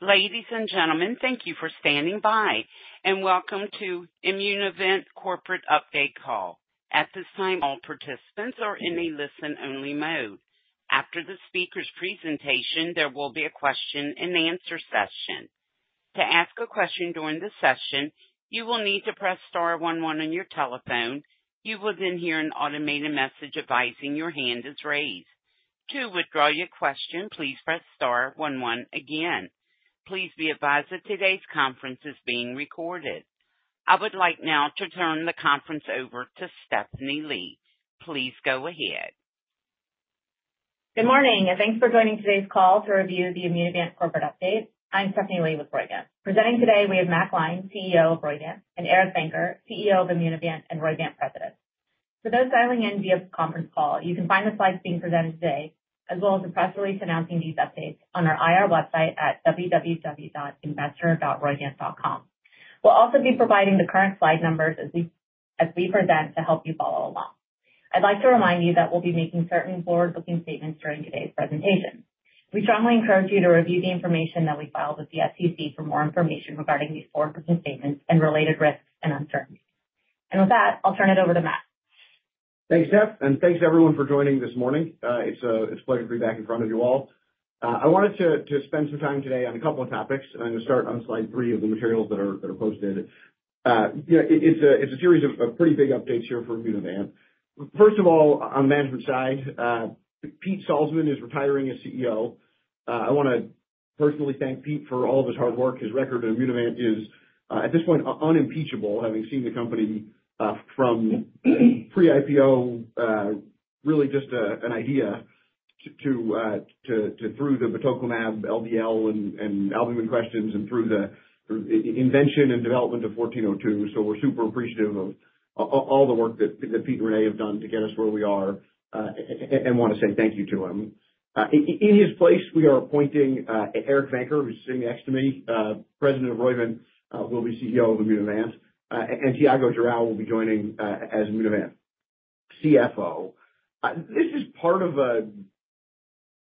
Ladies and gentlemen, thank you for standing by, and welcome to Immunovant Corporate Update Call. At this time, all participants are in a listen-only mode. After the speaker's presentation, there will be a question-and-answer session. To ask a question during the session, you will need to press star one one on your telephone. You will then hear an automated message advising your hand is raised. To withdraw your question, please press star one one again. Please be advised that today's conference is being recorded. I would like now to turn the conference over to Stephanie Lee. Please go ahead. Good morning, and thanks for joining today's call to review the Immunovant Corporate Update. I'm Stephanie Lee with Roivant. Presenting today, we have Matt Gline, CEO of Roivant, and Eric Venker CEO of Immunovant and Roivant President. For those dialing in via conference call, you can find the slides being presented today, as well as the press release announcing these updates on our IR website at www.investor.roivant.com. We will also be providing the current slide numbers as we present to help you follow along. I would like to remind you that we will be making certain forward-looking statements during today's presentation. We strongly encourage you to review the information that we filed with the SEC for more information regarding these forward-looking statements and related risks and uncertainties. With that, I will turn it over to Matt. Thanks, Steph, and thanks, everyone, for joining this morning. It's a pleasure to be back in front of you all. I wanted to spend some time today on a couple of topics, and I'm going to start on slide three of the materials that are posted. It's a series of pretty big updates here for Immunovant. First of all, on the management side, Pete Salzmann is retiring as CEO. I want to personally thank Pete for all of his hard work. His record at Immunovant is, at this point, unimpeachable, having seen the company from pre-IPO, really just an idea through the batoclimab, LDL, and albumin questions, and through the invention and development of IMVT-1402. So we're super appreciative of all the work that Pete and Renee have done to get us where we are, and want to say thank you to him. In his place, we are appointing Eric Venker, who's sitting next to me. President of Roivant will be CEO of Immunovant. Tiago Girao will be joining as Immunovant CFO. This is part of an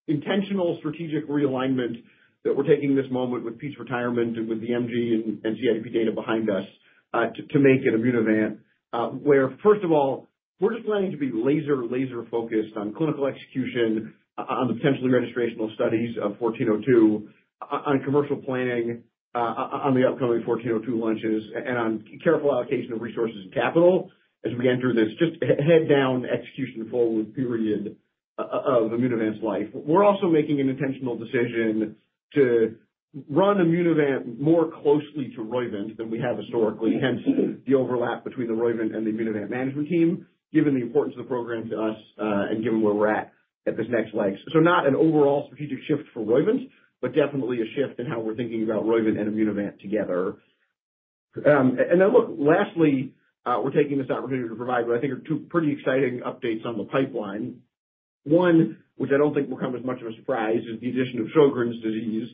intentional strategic realignment that we're taking this moment with Pete's retirement and with the MG and CIDP data behind us to make at Immunovant, where, first of all, we're just planning to be laser-focused on clinical execution, on the potentially registrational studies of 1402, on commercial planning, on the upcoming 1402 launches, and on careful allocation of resources and capital as we enter this just head-down execution-full period of Immunovant's life. We're also making an intentional decision to run Immunovant more closely to Roivant than we have historically, hence the overlap between the Roivant and the Immunovant management team, given the importance of the program to us and given where we're at at this next leg. Not an overall strategic shift for Roivant, but definitely a shift in how we're thinking about Roivant and Immunovant together. Lastly, we're taking this opportunity to provide what I think are two pretty exciting updates on the pipeline. One, which I don't think will come as much of a surprise, is the addition of Sjögren's disease,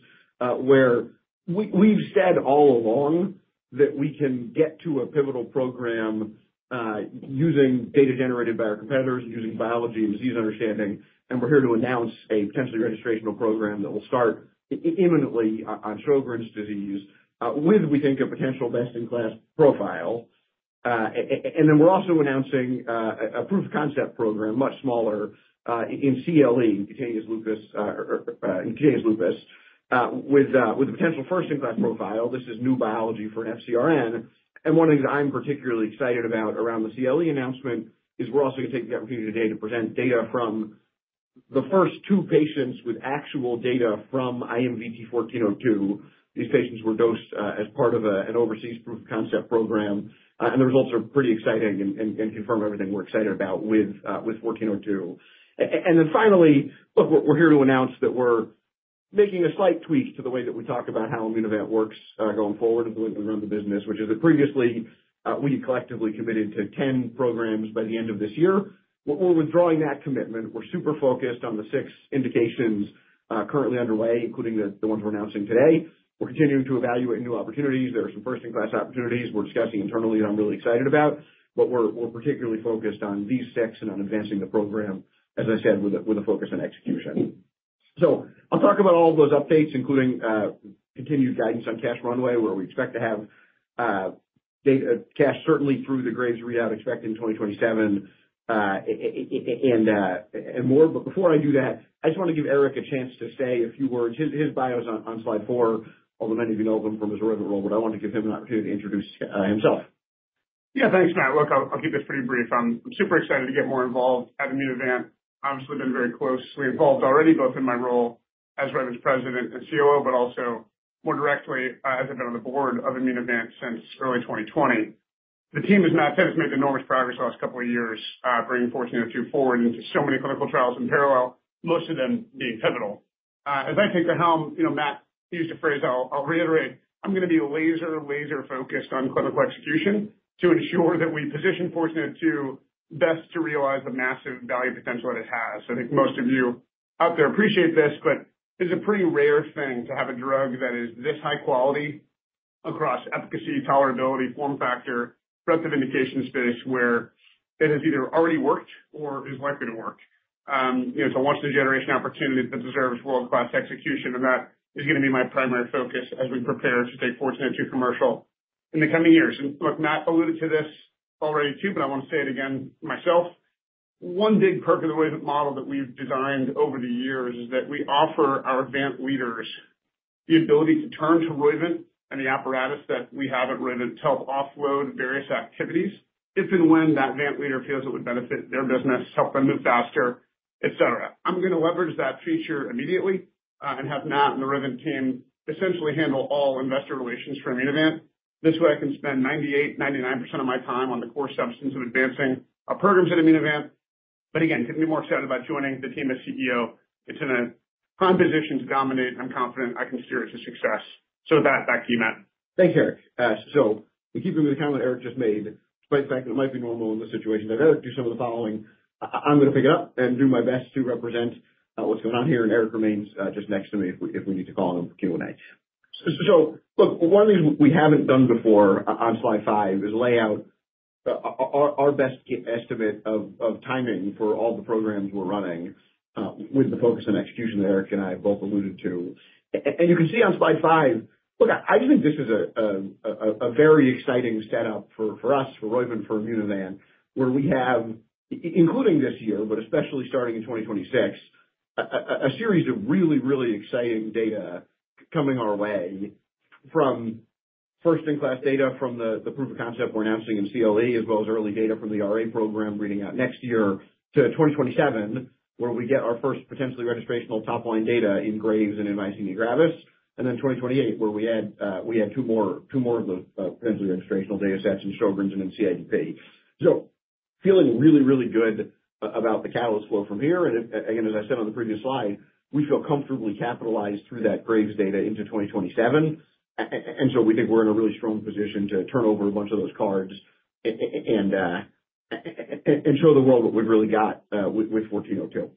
where we've said all along that we can get to a pivotal program using data generated by our competitors, using biology and disease understanding, and we're here to announce a potentially registrational program that will start imminently on Sjögren's disease with, we think, a potential best-in-class profile. We're also announcing a proof-of-concept program, much smaller, in CLE, in cutaneous lupus, with a potential first-in-class profile. This is new biology for an FcRn. One of the things I'm particularly excited about around the CLE announcement is we're also going to take the opportunity today to present data from the first two patients with actual data from IMVT-1402. These patients were dosed as part of an overseas proof-of-concept program, and the results are pretty exciting and confirm everything we're excited about with 1402. Finally, look, we're here to announce that we're making a slight tweak to the way that we talk about how Immunovant works going forward as we run the business, which is that previously we had collectively committed to 10 programs by the end of this year. We're withdrawing that commitment. We're super focused on the six indications currently underway, including the ones we're announcing today. We're continuing to evaluate new opportunities. There are some first-in-class opportunities we're discussing internally that I'm really excited about, but we're particularly focused on these six and on advancing the program, as I said, with a focus on execution. I will talk about all of those updates, including continued guidance on cash runway, where we expect to have cash certainly through the Graves readout expected in 2027 and more. Before I do that, I just want to give Eric a chance to say a few words. His bio is on slide four, although many of you know of him from his Roivant role, but I want to give him an opportunity to introduce himself. Yeah, thanks, Matt. Look, I'll keep this pretty brief. I'm super excited to get more involved at Immunovant. Obviously, I've been very closely involved already, both in my role as Roivant's President and COO, but also more directly as I've been on the board of Immunovant since early 2020. The team has made enormous progress over the last couple of years, bringing 1402 forward into so many clinical trials in parallel, most of them being pivotal. As I take the helm, Matt used a phrase I'll reiterate. I'm going to be laser-focused on clinical execution to ensure that we position 1402 best to realize the massive value potential that it has. I think most of you out there appreciate this, but it's a pretty rare thing to have a drug that is this high quality across efficacy, tolerability, form factor, breadth of indication space, where it has either already worked or is likely to work. It's a once-in-a-generation opportunity that deserves world-class execution, and that is going to be my primary focus as we prepare to take 1402 commercial in the coming years. Matt alluded to this already too, but I want to say it again myself. One big perk of the Roivant model that we've designed over the years is that we offer our advanced leaders the ability to turn to Roivant and the apparatus that we have at Roivant to help offload various activities if and when that advanced leader feels it would benefit their business, help them move faster, etc. I'm going to leverage that feature immediately and have Matt and the Roivant team essentially handle all investor relations for Immunovant. This way, I can spend 98-99% of my time on the core substance of advancing our programs at Immunovant. Again, couldn't be more excited about joining the team as CEO. It's in a prime position to dominate, and I'm confident I can steer it to success. With that, back to you, Matt. Thanks, Eric. In keeping with the comment Eric just made, despite the fact that it might be normal in this situation that Eric do some of the following, I'm going to pick it up and do my best to represent what's going on here, and Eric remains just next to me if we need to call him for Q&A. One of the things we haven't done before on slide five is lay out our best estimate of timing for all the programs we're running with the focus on execution that Eric and I have both alluded to. You can see on slide five, look, I just think this is a very exciting setup for us, for Roivant, for Immunovant, where we have, including this year, but especially starting in 2026, a series of really, really exciting data coming our way from first-in-class data from the proof-of-concept we're announcing in CLE, as well as early data from the RA program reading out next year to 2027, where we get our first potentially registrational top-line data in Graves and in Myasthenia Gravis. In 2028, we add two more of the potentially registrational data sets in Sjögren's and in CIDP. Feeling really, really good about the catalyst flow from here. As I said on the previous slide, we feel comfortably capitalized through that Graves data into 2027. We think we're in a really strong position to turn over a bunch of those cards and show the world what we've really got with 1402.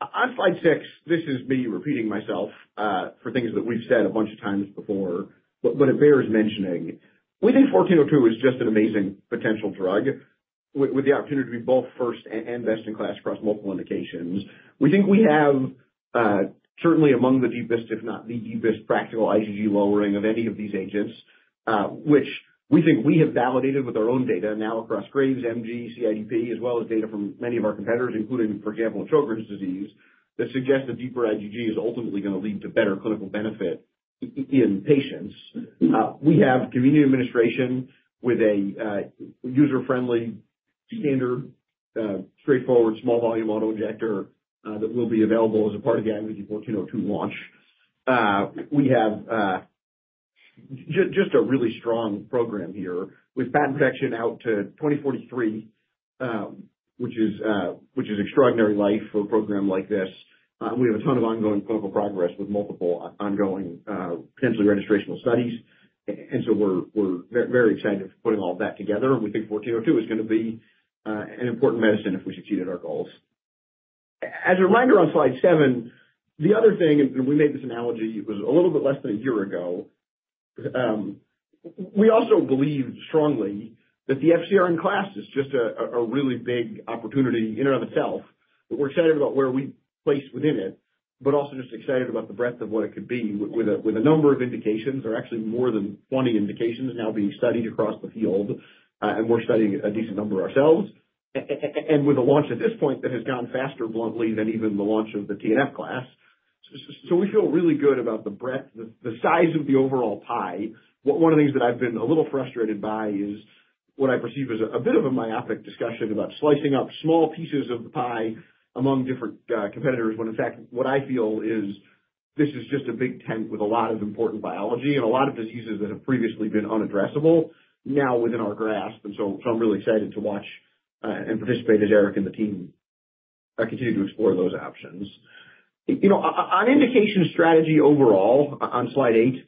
On slide six, this is me repeating myself for things that we've said a bunch of times before, but it bears mentioning. We think 1402 is just an amazing potential drug with the opportunity to be both first and best-in-class across multiple indications. We think we have certainly among the deepest, if not the deepest, practical IgG lowering of any of these agents, which we think we have validated with our own data now across Graves' disease, MG, CIDP, as well as data from many of our competitors, including, for example, Sjögren's disease, that suggests that deeper IgG is ultimately going to lead to better clinical benefit in patients. We have community administration with a user-friendly, standard, straightforward, small-volume autoinjector that will be available as a part of the IMVT-1402 launch. We have just a really strong program here with patent protection out to 2043, which is extraordinary life for a program like this. We have a ton of ongoing clinical progress with multiple ongoing potentially registrational studies. We are very excited for putting all of that together, and we think 1402 is going to be an important medicine if we succeed at our goals. As a reminder, on slide seven, the other thing, and we made this analogy, it was a little bit less than a year ago. We also believe strongly that the FcRn class is just a really big opportunity in and of itself. We're excited about where we place within it, but also just excited about the breadth of what it could be with a number of indications. There are actually more than 20 indications now being studied across the field, and we're studying a decent number ourselves, with a launch at this point that has gone faster bluntly than even the launch of the TNF class. We feel really good about the breadth, the size of the overall pie. One of the things that I've been a little frustrated by is what I perceive as a bit of a myopic discussion about slicing up small pieces of the pie among different competitors, when in fact, what I feel is this is just a big tent with a lot of important biology and a lot of diseases that have previously been unaddressable now within our grasp. I'm really excited to watch and participate as Eric and the team continue to explore those options. On indication strategy overall, on slide eight,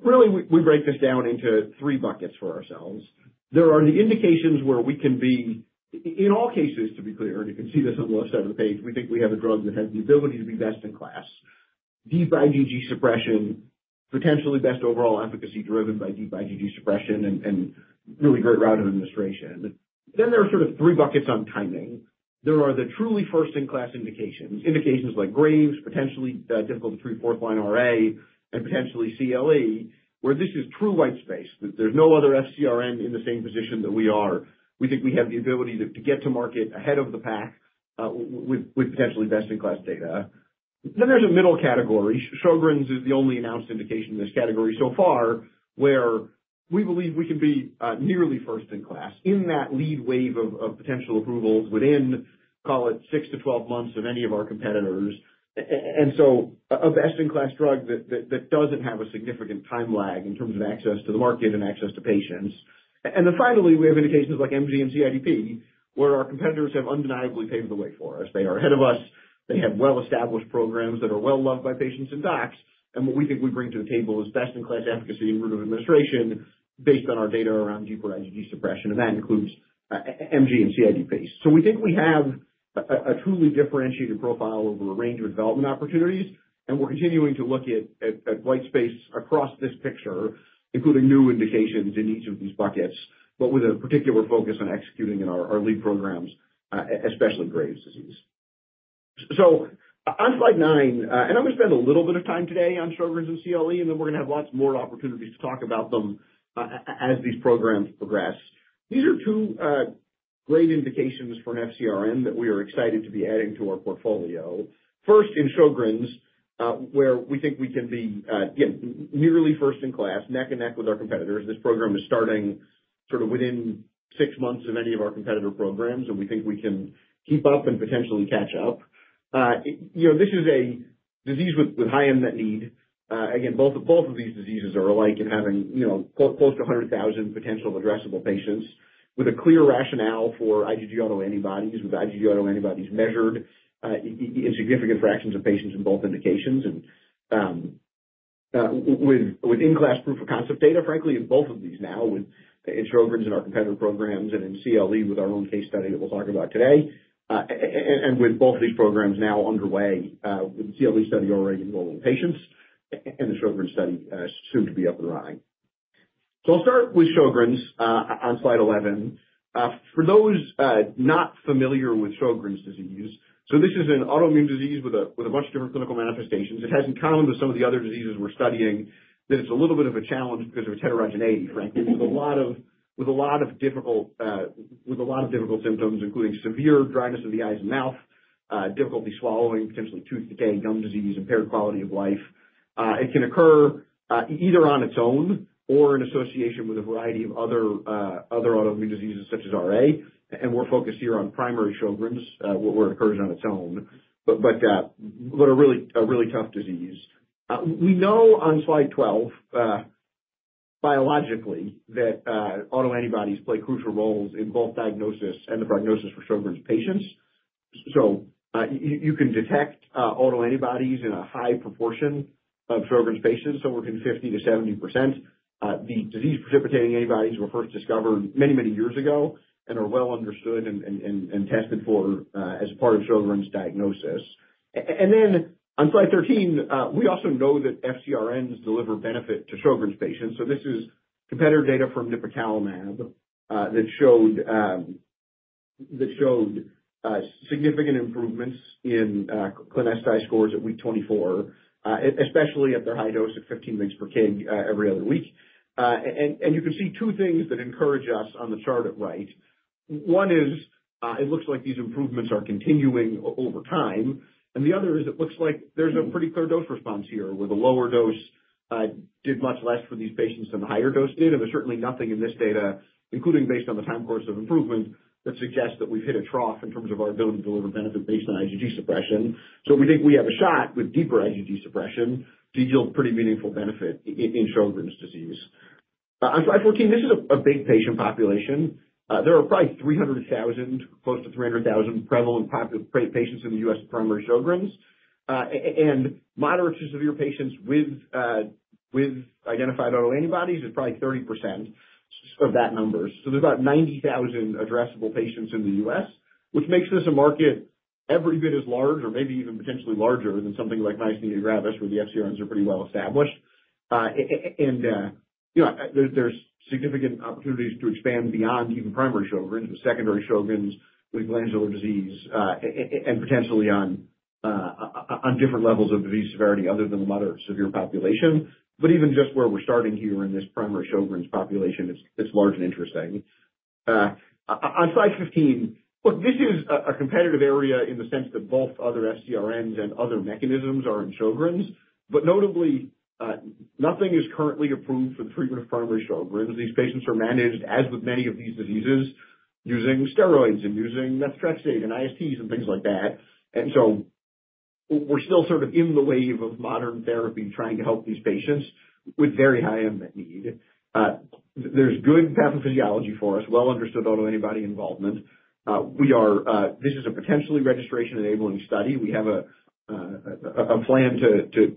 really, we break this down into three buckets for ourselves. There are the indications where we can be, in all cases, to be clear, and you can see this on the left side of the page, we think we have a drug that has the ability to be best in class, deep IgG suppression, potentially best overall efficacy driven by deep IgG suppression, and really great route of administration. There are sort of three buckets on timing. There are the truly first-in-class indications, indications like Graves, potentially difficult to treat fourth-line RA, and potentially CLE, where this is true white space. There's no other FcRn in the same position that we are. We think we have the ability to get to market ahead of the pack with potentially best-in-class data. There is a middle category. Sjögren's is the only announced indication in this category so far, where we believe we can be nearly first-in-class in that lead wave of potential approvals within, call it, 6-12 months of any of our competitors. A best-in-class drug that does not have a significant time lag in terms of access to the market and access to patients. Finally, we have indications like MG and CIDP, where our competitors have undeniably paved the way for us. They are ahead of us. They have well-established programs that are well-loved by patients and docs. What we think we bring to the table is best-in-class efficacy and route of administration based on our data around deeper IgG suppression. That includes MG and CIDP. We think we have a truly differentiated profile over a range of development opportunities. We're continuing to look at white space across this picture, including new indications in each of these buckets, with a particular focus on executing in our lead programs, especially Graves' disease. On slide nine, I'm going to spend a little bit of time today on Sjögren's and CLE, and then we're going to have lots more opportunities to talk about them as these programs progress. These are two great indications for an FcRn that we are excited to be adding to our portfolio. First, in Sjögren's, where we think we can be nearly first-in-class, neck and neck with our competitors. This program is starting sort of within six months of any of our competitor programs, and we think we can keep up and potentially catch up. This is a disease with high unmet need. Again, both of these diseases are alike in having close to 100,000 potential addressable patients with a clear rationale for IgG autoantibodies, with IgG autoantibodies measured in significant fractions of patients in both indications, and with in-class proof-of-concept data, frankly, in both of these now, with in Sjögren's and our competitor programs, and in CLE with our own case study that we'll talk about today, and with both of these programs now underway, with the CLE study already enrolling patients, and the Sjögren's study soon to be up and running. I'll start with Sjögren's on slide 11. For those not familiar with Sjögren's disease, this is an autoimmune disease with a bunch of different clinical manifestations. It has in common with some of the other diseases we're studying that it's a little bit of a challenge because of heterogeneity, frankly, with a lot of difficult symptoms, including severe dryness of the eyes and mouth, difficulty swallowing, potentially tooth decay, gum disease, impaired quality of life. It can occur either on its own or in association with a variety of other autoimmune diseases such as RA. We're focused here on primary Sjögren's, where it occurs on its own, but a really tough disease. We know on slide 12, biologically, that autoantibodies play crucial roles in both diagnosis and the prognosis for Sjögren's patients. You can detect autoantibodies in a high proportion of Sjögren's patients, somewhere between 50-70%. The disease-precipitating antibodies were first discovered many, many years ago and are well understood and tested for as part of Sjögren's diagnosis. On slide 13, we also know that FcRn deliver benefit to Sjögren's patients. This is competitor data from nipocalimab that showed significant improvements in ESSDAI scores at week 24, especially at their high dose of 15 mg per kg every other week. You can see two things that encourage us on the chart at right. One is it looks like these improvements are continuing over time. The other is it looks like there is a pretty clear dose response here, where the lower dose did much less for these patients than the higher dose did. There is certainly nothing in this data, including based on the time course of improvement, that suggests that we have hit a trough in terms of our ability to deliver benefit based on IgG suppression. We think we have a shot with deeper IgG suppression to yield pretty meaningful benefit in Sjögren's disease. On slide 14, this is a big patient population. There are probably 300,000, close to 300,000 prevalent patients in the U.S. with primary Sjögren's. Moderate to severe patients with identified autoantibodies is probably 30% of that number. There are about 90,000 addressable patients in the U.S., which makes this a market every bit as large or maybe even potentially larger than something like Myasthenia Gravis, where the FcRn inhibitors are pretty well established. There are significant opportunities to expand beyond even primary Sjögren's with secondary Sjögren's with glandular disease and potentially on different levels of disease severity other than the moderate to severe population. Even just where we're starting here in this primary Sjögren's population, it's large and interesting. On slide 15, look, this is a competitive area in the sense that both other FcRNs and other mechanisms are in Sjögren's. Notably, nothing is currently approved for the treatment of primary Sjögren's. These patients are managed, as with many of these diseases, using steroids and using methotrexate and ISTs and things like that. We are still sort of in the wave of modern therapy trying to help these patients with very high unmet need. There is good pathophysiology for us, well-understood autoantibody involvement. This is a potentially registration-enabling study. We have a plan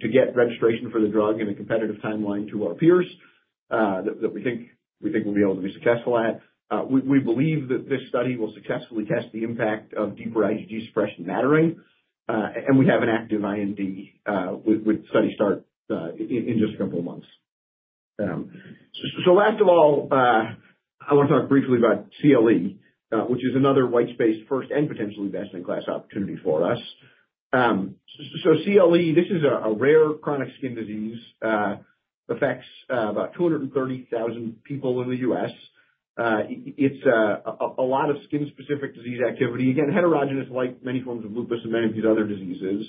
to get registration for the drug in a competitive timeline to our peers that we think we will be able to be successful at. We believe that this study will successfully test the impact of deeper IgG suppression mattering. We have an active IND with study start in just a couple of months. Last of all, I want to talk briefly about CLE, which is another white space first and potentially best-in-class opportunity for us. CLE, this is a rare chronic skin disease. It affects about 230,000 people in the U.S. It is a lot of skin-specific disease activity. Again, heterogeneous, like many forms of lupus and many of these other diseases.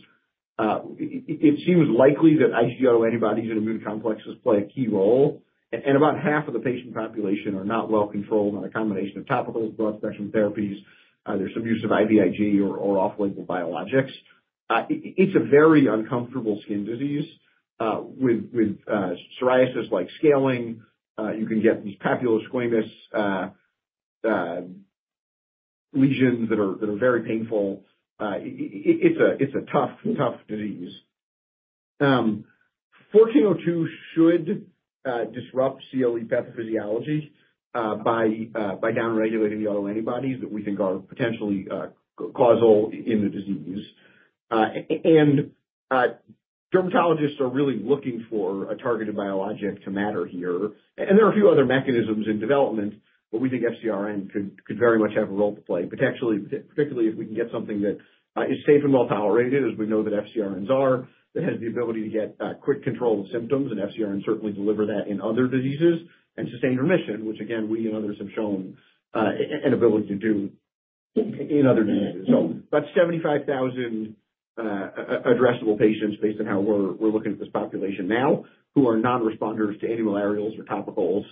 It seems likely that IgG autoantibodies and immune complexes play a key role. About half of the patient population are not well controlled on a combination of topical blood spectrum therapies. There is some use of IVIG or off-label biologics. It is a very uncomfortable skin disease with psoriasis-like scaling. You can get these papular squamous lesions that are very painful. It is a tough disease. I402 should disrupt CLE pathophysiology by downregulating the autoantibodies that we think are potentially causal in the disease. Dermatologists are really looking for a targeted biologic to matter here. There are a few other mechanisms in development, but we think FcRn could very much have a role to play, potentially, particularly if we can get something that is safe and well tolerated, as we know that FcRns are, that has the ability to get quick control of symptoms. FcRns certainly deliver that in other diseases and sustained remission, which, again, we and others have shown an ability to do in other diseases. About 75,000 addressable patients, based on how we're looking at this population now, who are non-responders to any antimalarials or topicals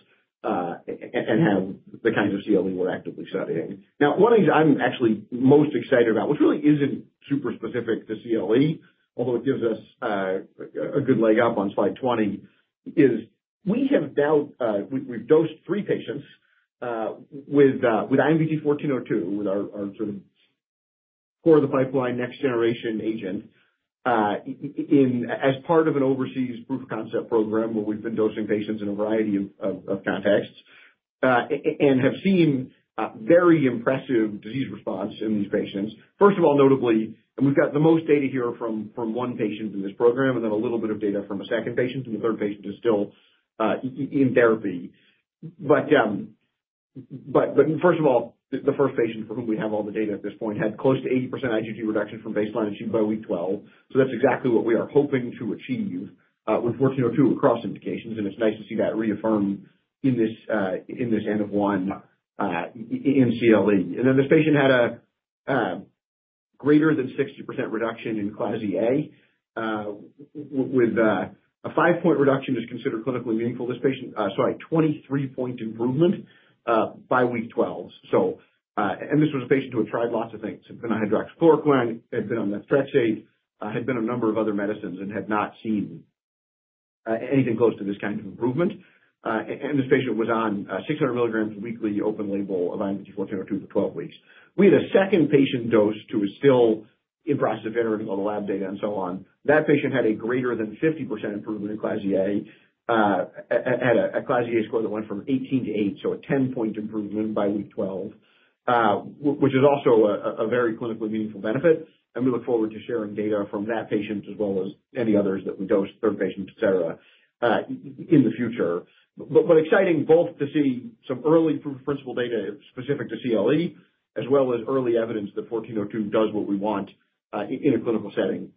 and have the kinds of CLE we're actively studying. Now, one of the things I'm actually most excited about, which really isn't super specific to CLE, although it gives us a good leg up on slide 20, is we have now dosed three patients with IMVT-1402, with our sort of core of the pipeline next-generation agent as part of an overseas proof-of-concept program where we've been dosing patients in a variety of contexts and have seen very impressive disease response in these patients. First of all, notably, and we've got the most data here from one patient in this program, and then a little bit of data from a second patient. The third patient is still in therapy. First of all, the first patient for whom we have all the data at this point had close to 80% IgG reduction from baseline achieved by week 12. That is exactly what we are hoping to achieve with 1402 across indications. It is nice to see that reaffirmed in this N of 1 in CLE. This patient had a greater than 60% reduction in CLASI-A, with a five-point reduction that is considered clinically meaningful. This patient—sorry—a 23-point improvement by week 12. This was a patient who had tried lots of things, had been on hydroxychloroquine, had been on methotrexate, had been on a number of other medicines, and had not seen anything close to this kind of improvement. This patient was on 600 mg weekly open label of IMVT-1402 for 12 weeks. We had a second patient dosed who is still in process of entering all the lab data and so on. That patient had a greater than 50% improvement in CLASI-A, had a CLASI-A score that went from 18 to 8, so a 10-point improvement by week 12, which is also a very clinically meaningful benefit. We look forward to sharing data from that patient as well as any others that we dosed, third patient, etc., in the future. Exciting both to see some early proof-of-principle data specific to CLE, as well as early evidence that 1402 does what we want in a clinical setting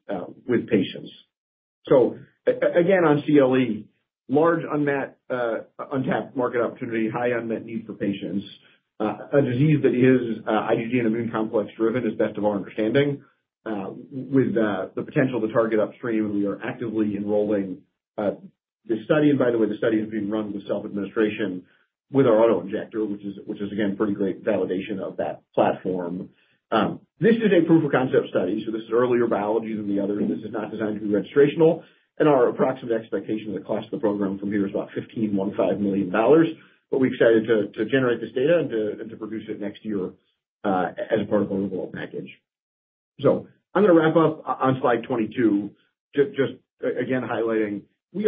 with patients. Again, on CLE, large untapped market opportunity, high unmet need for patients, a disease that is IgG and immune complex driven as best of our understanding, with the potential to target upstream. We are actively enrolling this study. By the way, the study is being run with self-administration with our autoinjector, which is, again, pretty great validation of that platform. This is a proof-of-concept study. This is earlier biology than the others. This is not designed to be registrational. Our approximate expectation of the cost of the program from here is about $15.15 million. We are excited to generate this data and to produce it next year as part of our overall package. I am going to wrap up on slide 22, just again highlighting we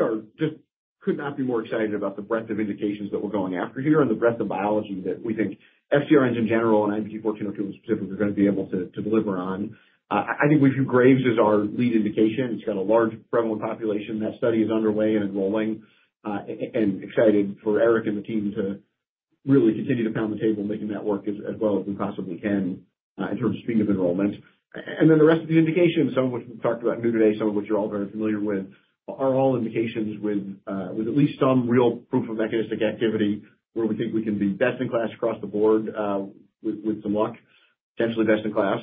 could not be more excited about the breadth of indications that we are going after here and the breadth of biology that we think FcRn in general and IMVT-1402 in specific are going to be able to deliver on. I think we have viewed Graves as our lead indication. It has got a large prevalent population. That study is underway and enrolling. Excited for Eric and the team to really continue to pound the table, making that work as well as we possibly can in terms of speed of enrollment. The rest of the indications, some of which we've talked about new today, some of which you're all very familiar with, are all indications with at least some real proof-of-mechanistic activity where we think we can be best in class across the board with some luck, potentially best in class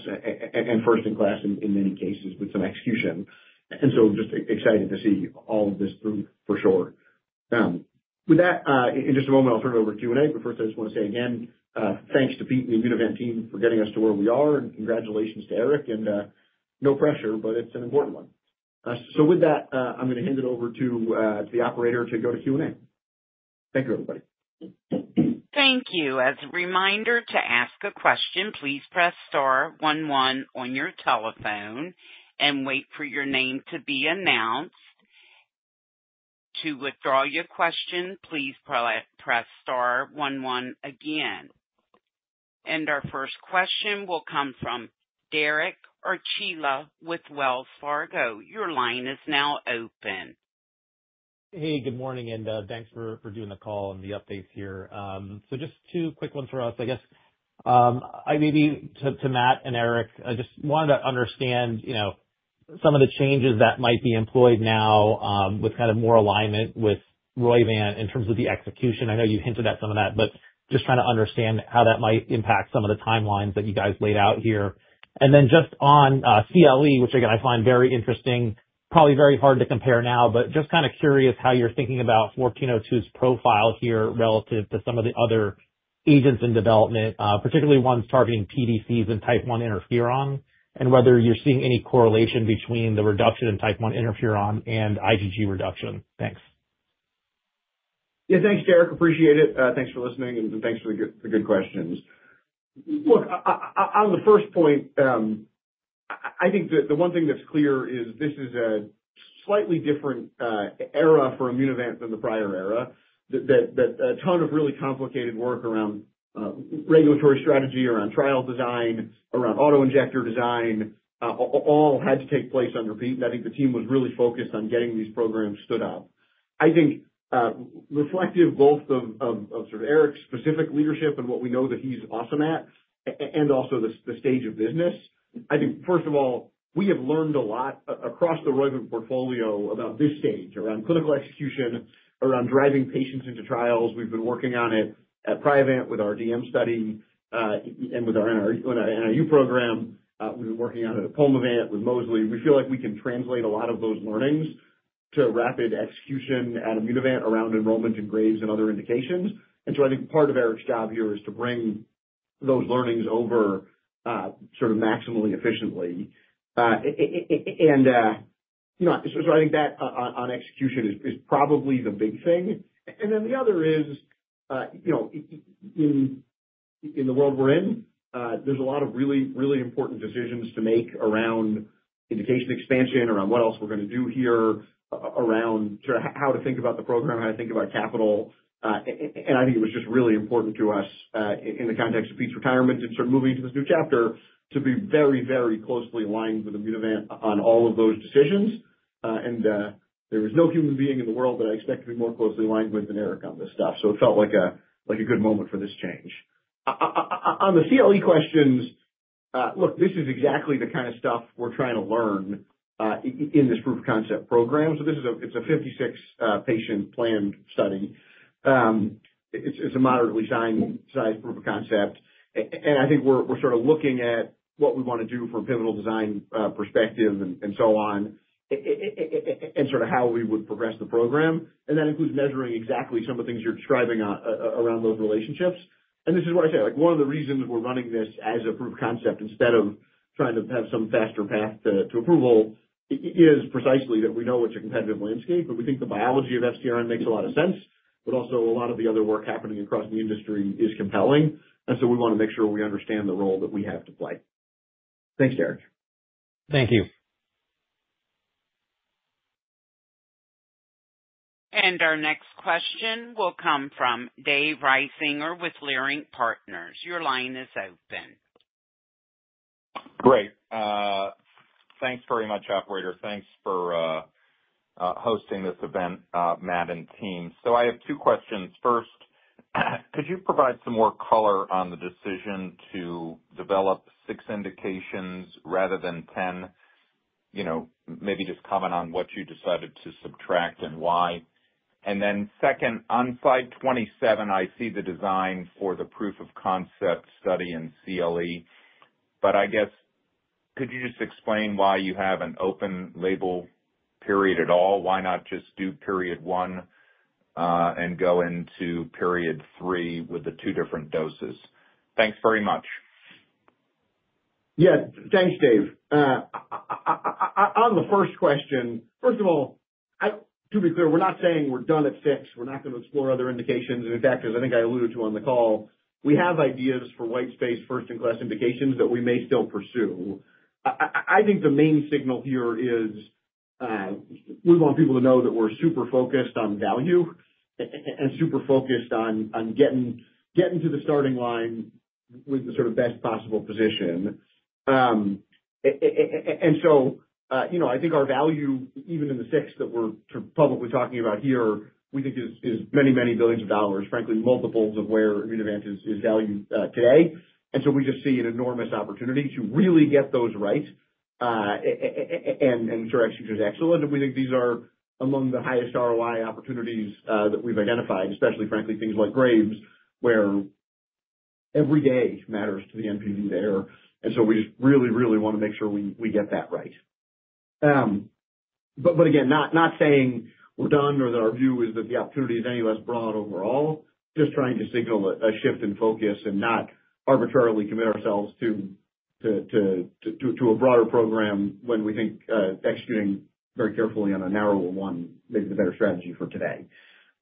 and first in class in many cases with some execution. Just excited to see all of this through for sure. With that, in just a moment, I'll turn it over to Q&A. First, I just want to say again, thanks to Pete and the Immunovant team for getting us to where we are. Congratulations to Eric. No pressure, but it's an important one. With that, I'm going to hand it over to the operator to go to Q&A. Thank you, everybody. Thank you. As a reminder to ask a question, please press star one one on your telephone and wait for your name to be announced. To withdraw your question, please press star one one again. Our first question will come from Derek Archila with Wells Fargo. Your line is now open. Hey, good morning. Thanks for doing the call and the updates here. Just two quick ones for us, I guess. Maybe to Matt and Eric, I just wanted to understand some of the changes that might be employed now with kind of more alignment with Roivant in terms of the execution. I know you hinted at some of that, just trying to understand how that might impact some of the timelines that you guys laid out here. Just on CLE, which again, I find very interesting, probably very hard to compare now, but just kind of curious how you're thinking about 1402's profile here relative to some of the other agents in development, particularly ones targeting PDCs and type I interferon, and whether you're seeing any correlation between the reduction in type I interferon and IgG reduction. Thanks. Yeah, thanks, Derek. Appreciate it. Thanks for listening, and thanks for the good questions. Look, on the first point, I think the one thing that's clear is this is a slightly different era for Immunovant than the prior era, that a ton of really complicated work around regulatory strategy, around trial design, around autoinjector design, all had to take place under Pete. I think the team was really focused on getting these programs stood up. I think reflective both of sort of Eric's specific leadership and what we know that he's awesome at, and also the stage of business. I think, first of all, we have learned a lot across the Roivant portfolio about this stage, around clinical execution, around driving patients into trials. We've been working on it at Priovant with our DM study and with our NIU program. We've been working on it at Pulmovant with mosli. We feel like we can translate a lot of those learnings to rapid execution at Immunovant around enrollment in Graves and other indications. I think part of Eric's job here is to bring those learnings over sort of maximally efficiently. I think that on execution is probably the big thing. The other is, in the world we're in, there's a lot of really, really important decisions to make around indication expansion, around what else we're going to do here, around sort of how to think about the program, how to think about capital. I think it was just really important to us in the context of Pete's retirement and sort of moving into this new chapter to be very, very closely aligned with Immunovant on all of those decisions. There is no human being in the world that I expect to be more closely aligned with than Eric on this stuff. It felt like a good moment for this change. On the CLE questions, look, this is exactly the kind of stuff we're trying to learn in this proof-of-concept program. It is a 56-patient planned study. It is a moderately sized proof-of-concept. I think we're sort of looking at what we want to do from a pivotal design perspective and so on, and sort of how we would progress the program. That includes measuring exactly some of the things you're describing around those relationships. This is what I say. One of the reasons we're running this as a proof-of-concept instead of trying to have some faster path to approval is precisely that we know it's a competitive landscape, but we think the biology of FcRn makes a lot of sense. Also, a lot of the other work happening across the industry is compelling. We want to make sure we understand the role that we have to play. Thanks, Derek. Thank you. Our next question will come from Dave Risinger with Leerink Partners. Your line is open. Great. Thanks very much, Operator. Thanks for hosting this event, Matt and team. I have two questions. First, could you provide some more color on the decision to develop six indications rather than 10? Maybe just comment on what you decided to subtract and why. Second, on slide 27, I see the design for the proof-of-concept study in CLE. I guess, could you just explain why you have an open label period at all? Why not just do period one and go into period three with the two different doses? Thanks very much. Yeah, thanks, Dave. On the first question, first of all, to be clear, we're not saying we're done at six. We're not going to explore other indications. In fact, as I think I alluded to on the call, we have ideas for white space first-in-class indications that we may still pursue. I think the main signal here is we want people to know that we're super focused on value and super focused on getting to the starting line with the sort of best possible position. I think our value, even in the six that we're publicly talking about here, we think is many, many billions of dollars, frankly, multiples of where Immunovant is valued today. We just see an enormous opportunity to really get those right and ensure execution is excellent. We think these are among the highest ROI opportunities that we've identified, especially, frankly, things like Graves, where every day matters to the NPV there. We just really, really want to make sure we get that right. Again, not saying we're done or that our view is that the opportunity is any less broad overall, just trying to signal a shift in focus and not arbitrarily commit ourselves to a broader program when we think executing very carefully on a narrower one may be the better strategy for today.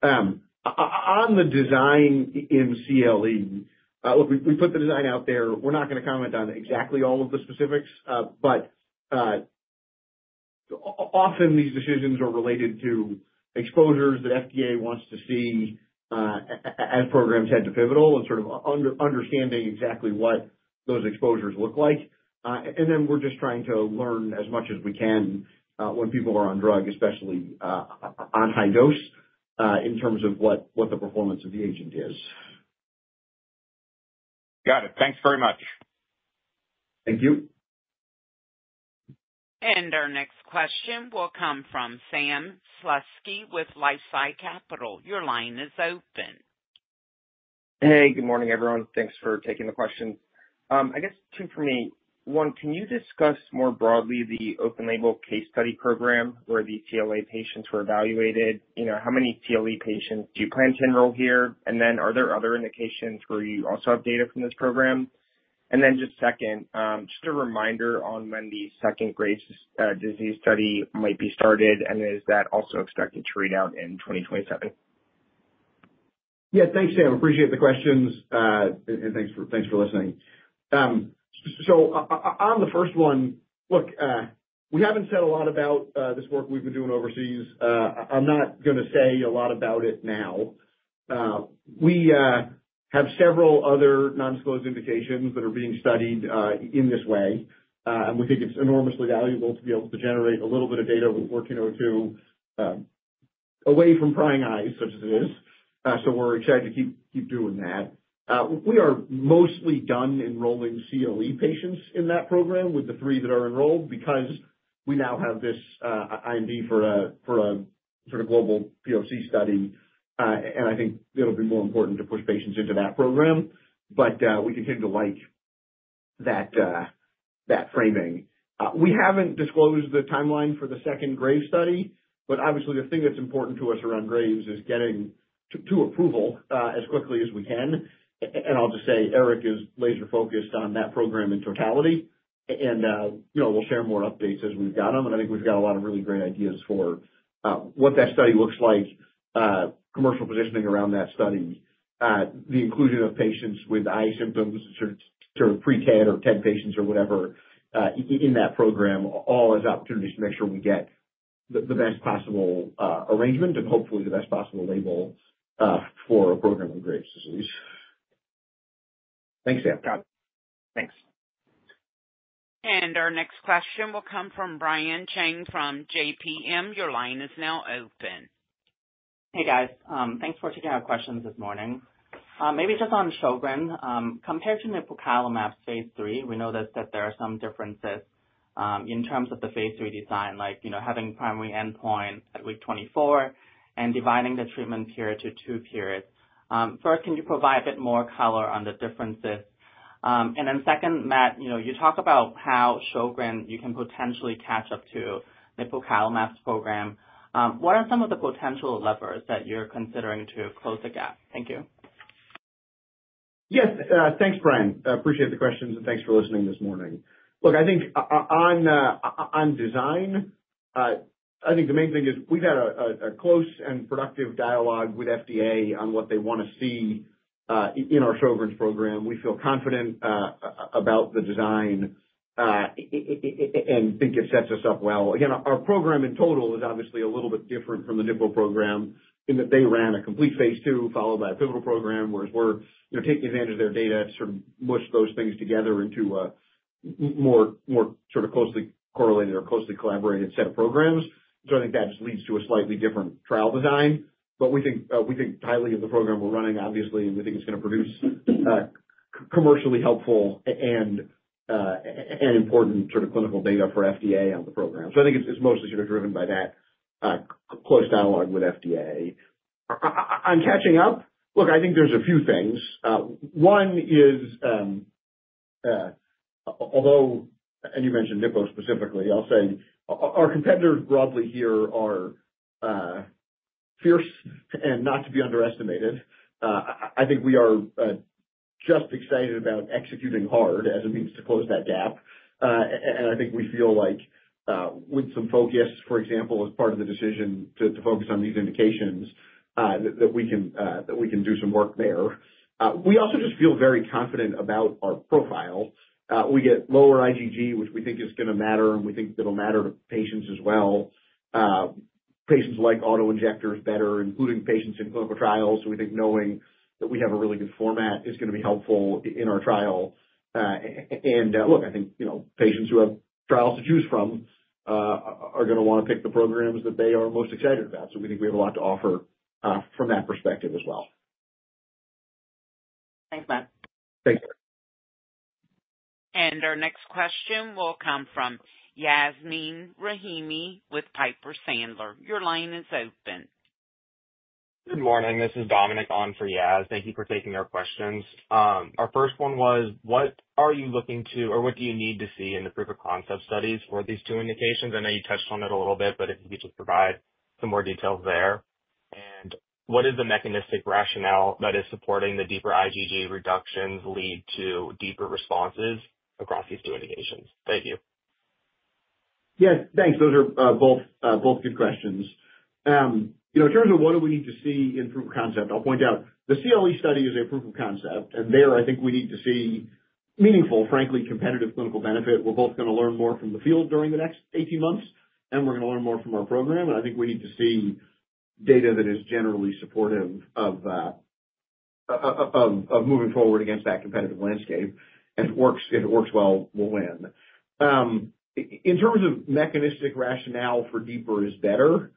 On the design in CLE, look, we put the design out there. We're not going to comment on exactly all of the specifics. Often, these decisions are related to exposures that FDA wants to see as programs head to pivotal and sort of understanding exactly what those exposures look like. We're just trying to learn as much as we can when people are on drug, especially on high dose, in terms of what the performance of the agent is. Got it. Thanks very much. Thank you. Our next question will come from Sam Slutsky with LifeSci Capital. Your line is open. Hey, good morning, everyone. Thanks for taking the question. I guess two for me. One, can you discuss more broadly the open label case study program where the CLE patients were evaluated? How many CLE patients do you plan to enroll here? Are there other indications where you also have data from this program? Just a reminder on when the second Graves' disease study might be started, and is that also expected to read out in 2027? Yeah, thanks, Sam. Appreciate the questions. Thanks for listening. On the first one, look, we haven't said a lot about this work we've been doing overseas. I'm not going to say a lot about it now. We have several other non-disclosed indications that are being studied in this way. We think it's enormously valuable to be able to generate a little bit of data with 1402 away from prying eyes such as it is. We're excited to keep doing that. We are mostly done enrolling CLE patients in that program with the three that are enrolled because we now have this IMD for a sort of global POC study. I think it'll be more important to push patients into that program. We continue to like that framing. We haven't disclosed the timeline for the second Graves study. Obviously, the thing that's important to us around Graves is getting to approval as quickly as we can. I'll just say Eric is laser-focused on that program in totality. We'll share more updates as we've got them. I think we've got a lot of really great ideas for what that study looks like, commercial positioning around that study, the inclusion of patients with eye symptoms, sort of pre-TED or TED patients or whatever in that program, all as opportunities to make sure we get the best possible arrangement and hopefully the best possible label for a program in Graves disease. Thanks, Sam. Got it. Thanks. Our next question will come from Brian Cheng from JPM. Your line is now open. Hey, guys. Thanks for taking our questions this morning. Maybe just on Sjögren's, compared to nipocalimab's phase III, we noticed that there are some differences in terms of the phase III design, like having primary endpoint at week 24 and dividing the treatment period to two periods. First, can you provide a bit more color on the differences? Second, Matt, you talk about how Sjögren's you can potentially catch up to nipocalimab's program. What are some of the potential levers that you're considering to close the gap? Thank you. Yes, thanks, Brian. Appreciate the questions. Thanks for listening this morning. Look, I think on design, I think the main thing is we've had a close and productive dialogue with FDA on what they want to see in our Sjögren's program. We feel confident about the design and think it sets us up well. Again, our program in total is obviously a little bit different from the nipo program in that they ran a complete phase II followed by a pivotal program, whereas we're taking advantage of their data to sort of mush those things together into a more sort of closely correlated or closely collaborated set of programs. I think that just leads to a slightly different trial design. We think highly of the program we're running, obviously, and we think it's going to produce commercially helpful and important sort of clinical data for FDA on the program. I think it's mostly sort of driven by that close dialogue with FDA. On catching up, look, I think there's a few things. One is, although, and you mentioned nipo specifically, I'll say our competitors broadly here are fierce and not to be underestimated. I think we are just excited about executing hard as a means to close that gap. I think we feel like with some focus, for example, as part of the decision to focus on these indications, that we can do some work there. We also just feel very confident about our profile. We get lower IgG, which we think is going to matter, and we think that'll matter to patients as well. Patients like autoinjectors better, including patients in clinical trials. We think knowing that we have a really good format is going to be helpful in our trial. I think patients who have trials to choose from are going to want to pick the programs that they are most excited about. We think we have a lot to offer from that perspective as well. Thanks, Matt. Thank you. Our next question will come from Yasmeen Rahimi with Piper Sandler. Your line is open. Good morning. This is Dominic on for Yaz. Thank you for taking our questions. Our first one was, what are you looking to or what do you need to see in the proof-of-concept studies for these two indications? I know you touched on it a little bit, but if you could just provide some more details there. What is the mechanistic rationale that is supporting the deeper IgG reductions lead to deeper responses across these two indications? Thank you. Yeah, thanks. Those are both good questions. In terms of what do we need to see in proof-of-concept, I'll point out the CLE study is a proof-of-concept. There, I think we need to see meaningful, frankly, competitive clinical benefit. We're both going to learn more from the field during the next 18 months, and we're going to learn more from our program. I think we need to see data that is generally supportive of moving forward against that competitive landscape. If it works well, we'll win. In terms of mechanistic rationale for deeper is better,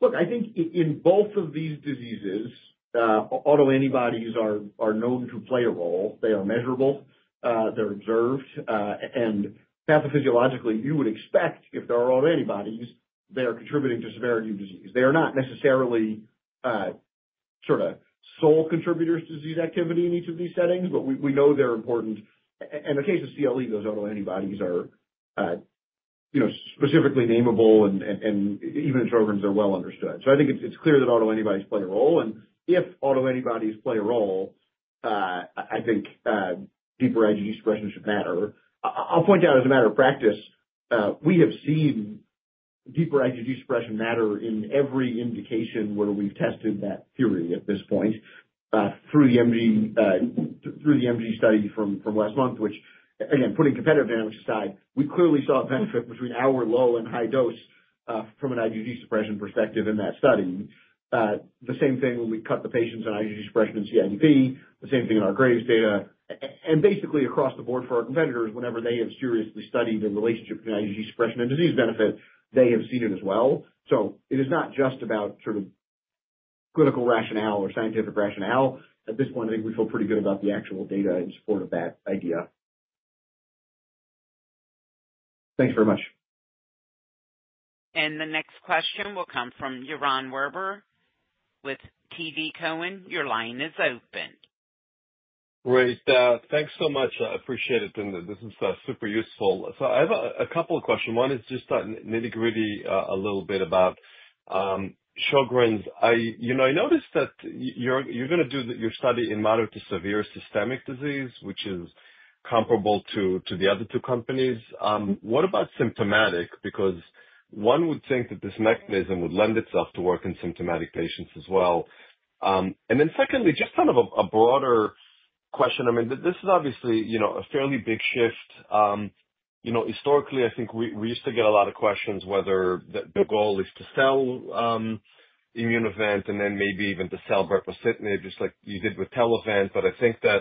look, I think in both of these diseases, autoantibodies are known to play a role. They are measurable. They're observed. Pathophysiologically, you would expect if there are autoantibodies, they are contributing to severity of disease. They are not necessarily sort of sole contributors to disease activity in each of these settings, but we know they're important. In the case of CLE, those autoantibodies are specifically namable, and even in Sjögren, they're well understood. I think it's clear that autoantibodies play a role. If autoantibodies play a role, I think deeper IgG suppression should matter. I'll point out as a matter of practice, we have seen deeper IgG suppression matter in every indication where we've tested that theory at this point through the MG study from last month, which, again, putting competitive dynamics aside, we clearly saw a benefit between our low and high dose from an IgG suppression perspective in that study. The same thing when we cut the patients on IgG suppression in CIDP, the same thing in our Graves' data. Basically, across the board for our competitors, whenever they have seriously studied the relationship between IgG suppression and disease benefit, they have seen it as well. It is not just about sort of clinical rationale or scientific rationale. At this point, I think we feel pretty good about the actual data in support of that idea. Thanks very much. The next question will come from Yaron Werber with TD Cowen. Your line is open. Great. Thanks so much. I appreciate it. This is super useful. I have a couple of questions. One is just nitty-gritty a little bit about Sjögren's. I noticed that you're going to do your study in moderate to severe systemic disease, which is comparable to the other two companies. What about symptomatic? Because one would think that this mechanism would lend itself to work in symptomatic patients as well. Secondly, just kind of a broader question. I mean, this is obviously a fairly big shift. Historically, I think we used to get a lot of questions whether the goal is to sell Immunovant and then maybe even to sell brepocitinib just like you did with Telavant. I think that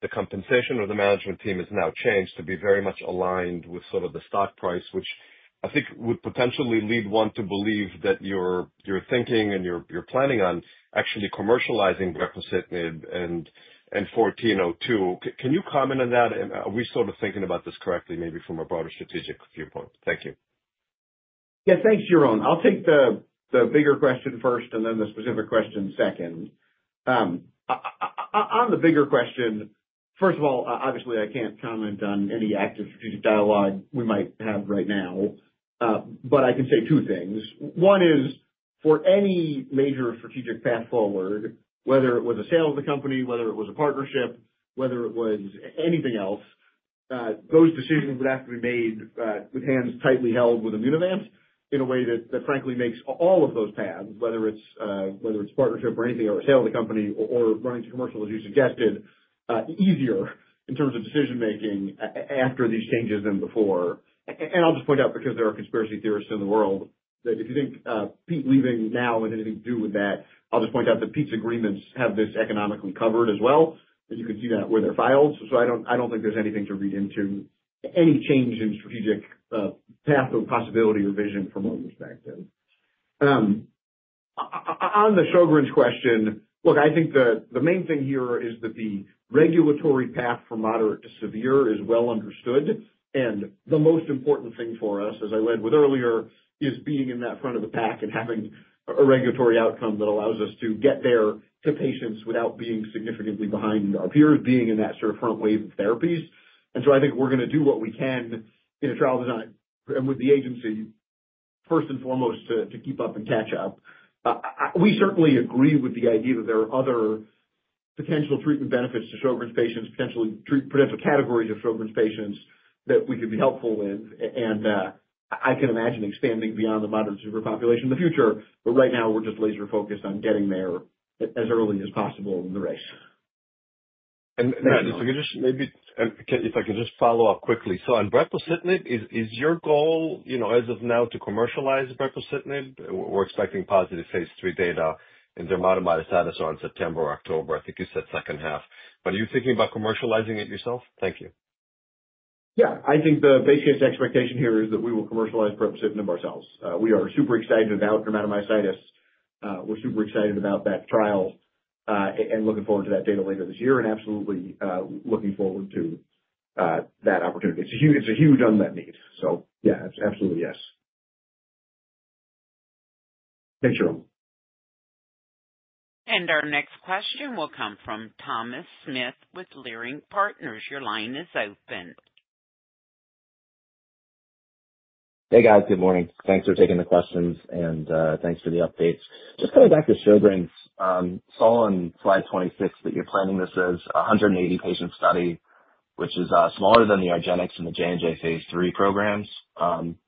the compensation of the management team has now changed to be very much aligned with sort of the stock price, which I think would potentially lead one to believe that you're thinking and you're planning on actually commercializing brepocitinib and 1402. Can you comment on that? Are we sort of thinking about this correctly maybe from a broader strategic viewpoint? Thank you. Yeah, thanks, Yaron. I'll take the bigger question first and then the specific question second. On the bigger question, first of all, obviously, I can't comment on any active strategic dialogue we might have right now. I can say two things. One is for any major strategic path forward, whether it was a sale of the company, whether it was a partnership, whether it was anything else, those decisions would have to be made with hands tightly held with Immunovant in a way that, frankly, makes all of those paths, whether it's partnership or anything or a sale of the company or running to commercial, as you suggested, easier in terms of decision-making after these changes than before. I'll just point out because there are conspiracy theorists in the world that if you think Pete leaving now has anything to do with that, I'll just point out that Pete's agreements have this economically covered as well. You can see that where they're filed. I don't think there's anything to read into any change in strategic path or possibility or vision from our perspective. On the Sjögren's question, look, I think the main thing here is that the regulatory path from moderate to severe is well understood. The most important thing for us, as I led with earlier, is being in that front of the pack and having a regulatory outcome that allows us to get there to patients without being significantly behind our peers, being in that sort of front wave of therapies. I think we're going to do what we can in a trial design and with the agency, first and foremost, to keep up and catch up. We certainly agree with the idea that there are other potential treatment benefits to Sjögren's patients, potential categories of Sjögren's patients that we could be helpful with. I can imagine expanding beyond the moderate to severe population in the future. Right now, we're just laser-focused on getting there as early as possible in the race. If I can just follow up quickly, on brepocitinib, is your goal as of now to commercialize brepocitinib? We're expecting positive phase III data, and their modified status on September or October. I think you said second half. Are you thinking about commercializing it yourself? Thank you. Yeah. I think the basic expectation here is that we will commercialize brepocitinib ourselves. We are super excited about dermatomyositis. We're super excited about that trial and looking forward to that data later this year and absolutely looking forward to that opportunity. It's a huge unmet need. Yeah, absolutely, yes. Thank you. Our next question will come from Thomas Smith with Leerink Partners. Your line is open. Hey, guys. Good morning. Thanks for taking the questions. Thanks for the updates. Just coming back to Sjögren's, saw on slide 26 that you're planning this as a 180-patient study, which is smaller than the argenx and the J&J phase III programs.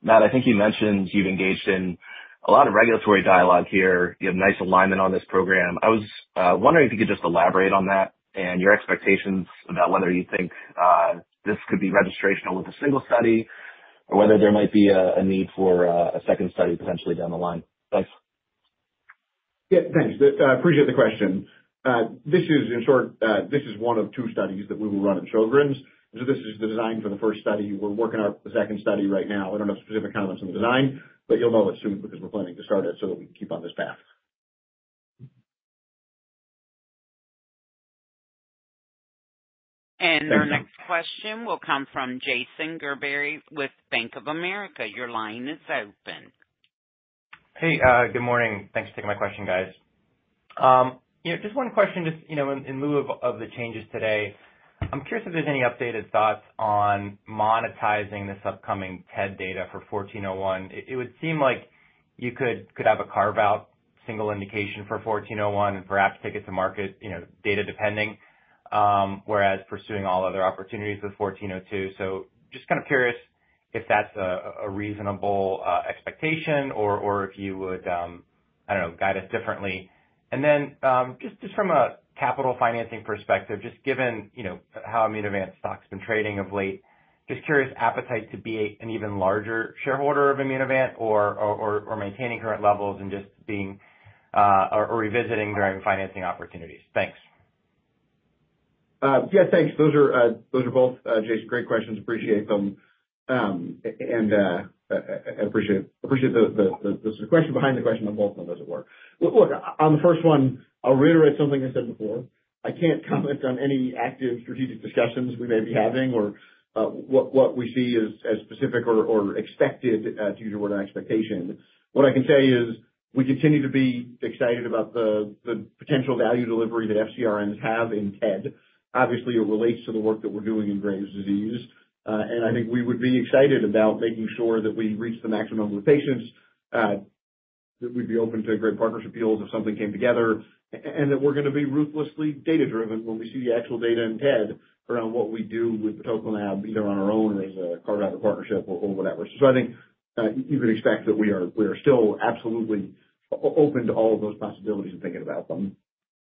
Matt, I think you mentioned you've engaged in a lot of regulatory dialogue here. You have nice alignment on this program. I was wondering if you could just elaborate on that and your expectations about whether you think this could be registrational with a single study or whether there might be a need for a second study potentially down the line. Thanks. Yeah, thanks. I appreciate the question. This is, in short, this is one of two studies that we will run at Sjögren's. This is the design for the first study. We're working out the second study right now. I don't have specific comments on the design, but you'll know it soon because we're planning to start it so that we can keep on this path. Our next question will come from Jason Gerberry with Bank of America. Your line is open. Hey, good morning. Thanks for taking my question, guys. Just one question just in lieu of the changes today. I'm curious if there's any updated thoughts on monetizing this upcoming TED data for 1401. It would seem like you could have a carve-out single indication for 1401 and perhaps take it to market data-depending, whereas pursuing all other opportunities with 1402. Just kind of curious if that's a reasonable expectation or if you would, I don't know, guide us differently. And then just from a capital financing perspective, just given how Immunovant stock's been trading of late, just curious appetite to be an even larger shareholder of Immunovant or maintaining current levels and just being or revisiting during financing opportunities. Thanks. Yeah, thanks. Those are both, Jason, great questions. Appreciate them. I appreciate the question behind the question on both of them as it were. Look, on the first one, I'll reiterate something I said before. I can't comment on any active strategic discussions we may be having or what we see as specific or expected, to use your word, an expectation. What I can say is we continue to be excited about the potential value delivery that FcRns have in TED. Obviously, it relates to the work that we're doing in Graves' disease. I think we would be excited about making sure that we reach the maximum number of patients, that we'd be open to great partnership deals if something came together, and that we're going to be ruthlessly data-driven when we see the actual data in TED around what we do with batoclimab, either on our own or as a carve-out or partnership or whatever. I think you can expect that we are still absolutely open to all of those possibilities and thinking about them.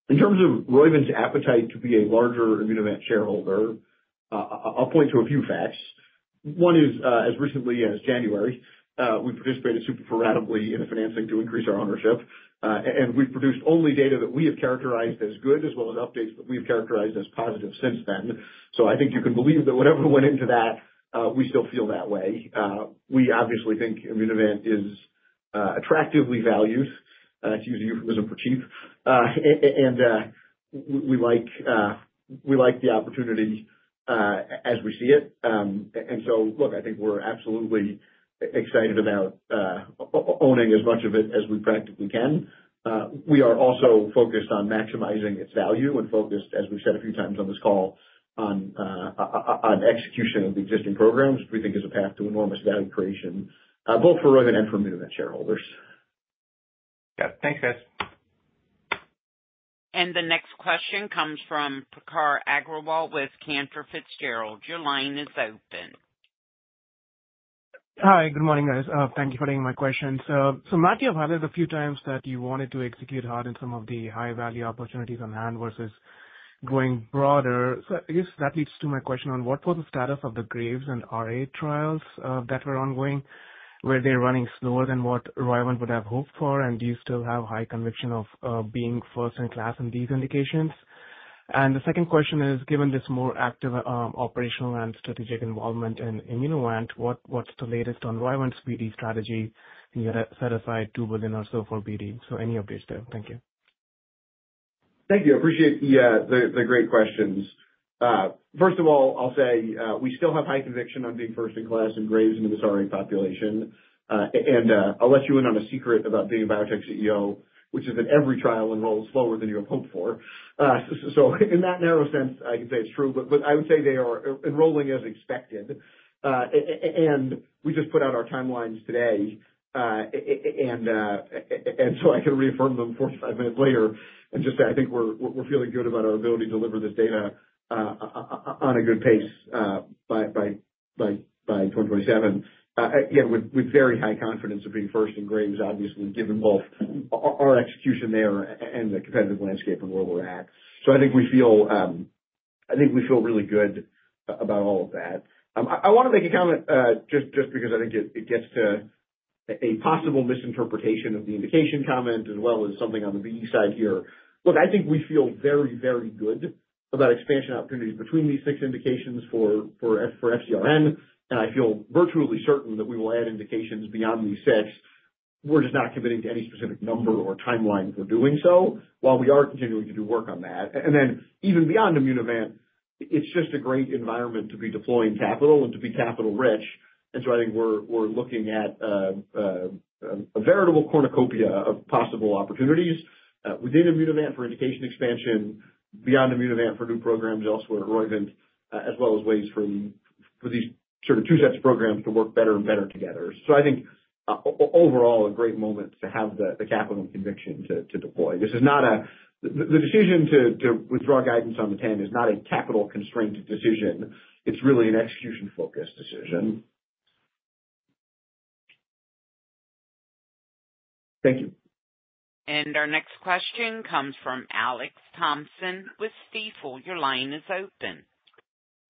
In terms of Roivant's appetite to be a larger Immunovant shareholder, I'll point to a few facts. One is, as recently as January, we participated super formidably in the financing to increase our ownership. And we've produced only data that we have characterized as good as well as updates that we have characterized as positive since then. I think you can believe that whatever went into that, we still feel that way. We obviously think Immunovant is attractively valued, to use a euphemism for cheap. And we like the opportunity as we see it. I think we're absolutely excited about owning as much of it as we practically can. We are also focused on maximizing its value and focused, as we've said a few times on this call, on execution of the existing programs, which we think is a path to enormous value creation, both for Roivant and for Immunovant shareholders. Got it. Thanks, guys. The next question comes from Prakhar Agrawal with Cantor Fitzgerald. Your line is open. Hi, good morning, guys. Thank you for taking my question. Matt, you have highlighted a few times that you wanted to execute hard in some of the high-value opportunities on hand versus going broader. I guess that leads to my question on what was the status of the Graves and RA trials that were ongoing, were they running slower than what Roivant would have hoped for, and do you still have high conviction of being first in class in these indications? The second question is, given this more active operational and strategic involvement in Immunovant, what's the latest on Roivant's BD strategy? You had set aside $2 billion or so for BD. Any updates there? Thank you. Thank you. I appreciate the great questions. First of all, I'll say we still have high conviction on being first in class in Graves and in this RA population. I'll let you in on a secret about being a biotech CEO, which is that every trial enrolls slower than you have hoped for. In that narrow sense, I can say it's true. I would say they are enrolling as expected. We just put out our timelines today. I can reaffirm them 45 minutes later and just say I think we're feeling good about our ability to deliver this data on a good pace by 2027. Again, with very high confidence of being first in Graves, obviously, given both our execution there and the competitive landscape and where we're at. I think we feel I think we feel really good about all of that. I want to make a comment just because I think it gets to a possible misinterpretation of the indication comment as well as something on the BD side here. Look, I think we feel very, very good about expansion opportunities between these six indications for FcRn. And I feel virtually certain that we will add indications beyond these six. We're just not committing to any specific number or timeline for doing so, while we are continuing to do work on that. Even beyond Immunovant, it's just a great environment to be deploying capital and to be capital-rich. I think we're looking at a veritable cornucopia of possible opportunities within Immunovant for indication expansion, beyond Immunovant for new programs elsewhere at Roivant, as well as ways for these sort of two sets of programs to work better and better together. I think overall, a great moment to have the capital conviction to deploy. This is not a the decision to withdraw guidance on the 10 is not a capital-constrained decision. It's really an execution-focused decision. Thank you. Our next question comes from Alex Thompson with Stifel. Your line is open.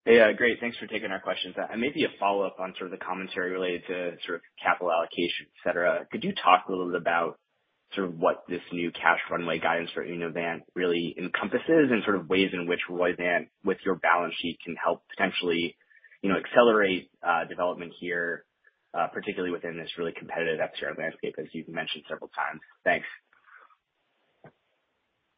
Hey, great. Thanks for taking our questions. Maybe a follow-up on sort of the commentary related to sort of capital allocation, etc. Could you talk a little bit about sort of what this new cash runway guidance for Immunovant really encompasses and sort of ways in which Roivant, with your balance sheet, can help potentially accelerate development here, particularly within this really competitive FcRn landscape, as you've mentioned several times? Thanks.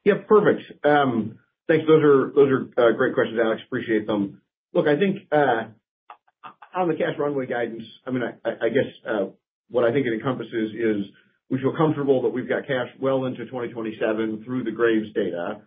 Yeah, perfect. Thanks. Those are great questions, Alex. Appreciate them. Look, I think on the cash runway guidance, I mean, I guess what I think it encompasses is we feel comfortable that we've got cash well into 2027 through the Graves data.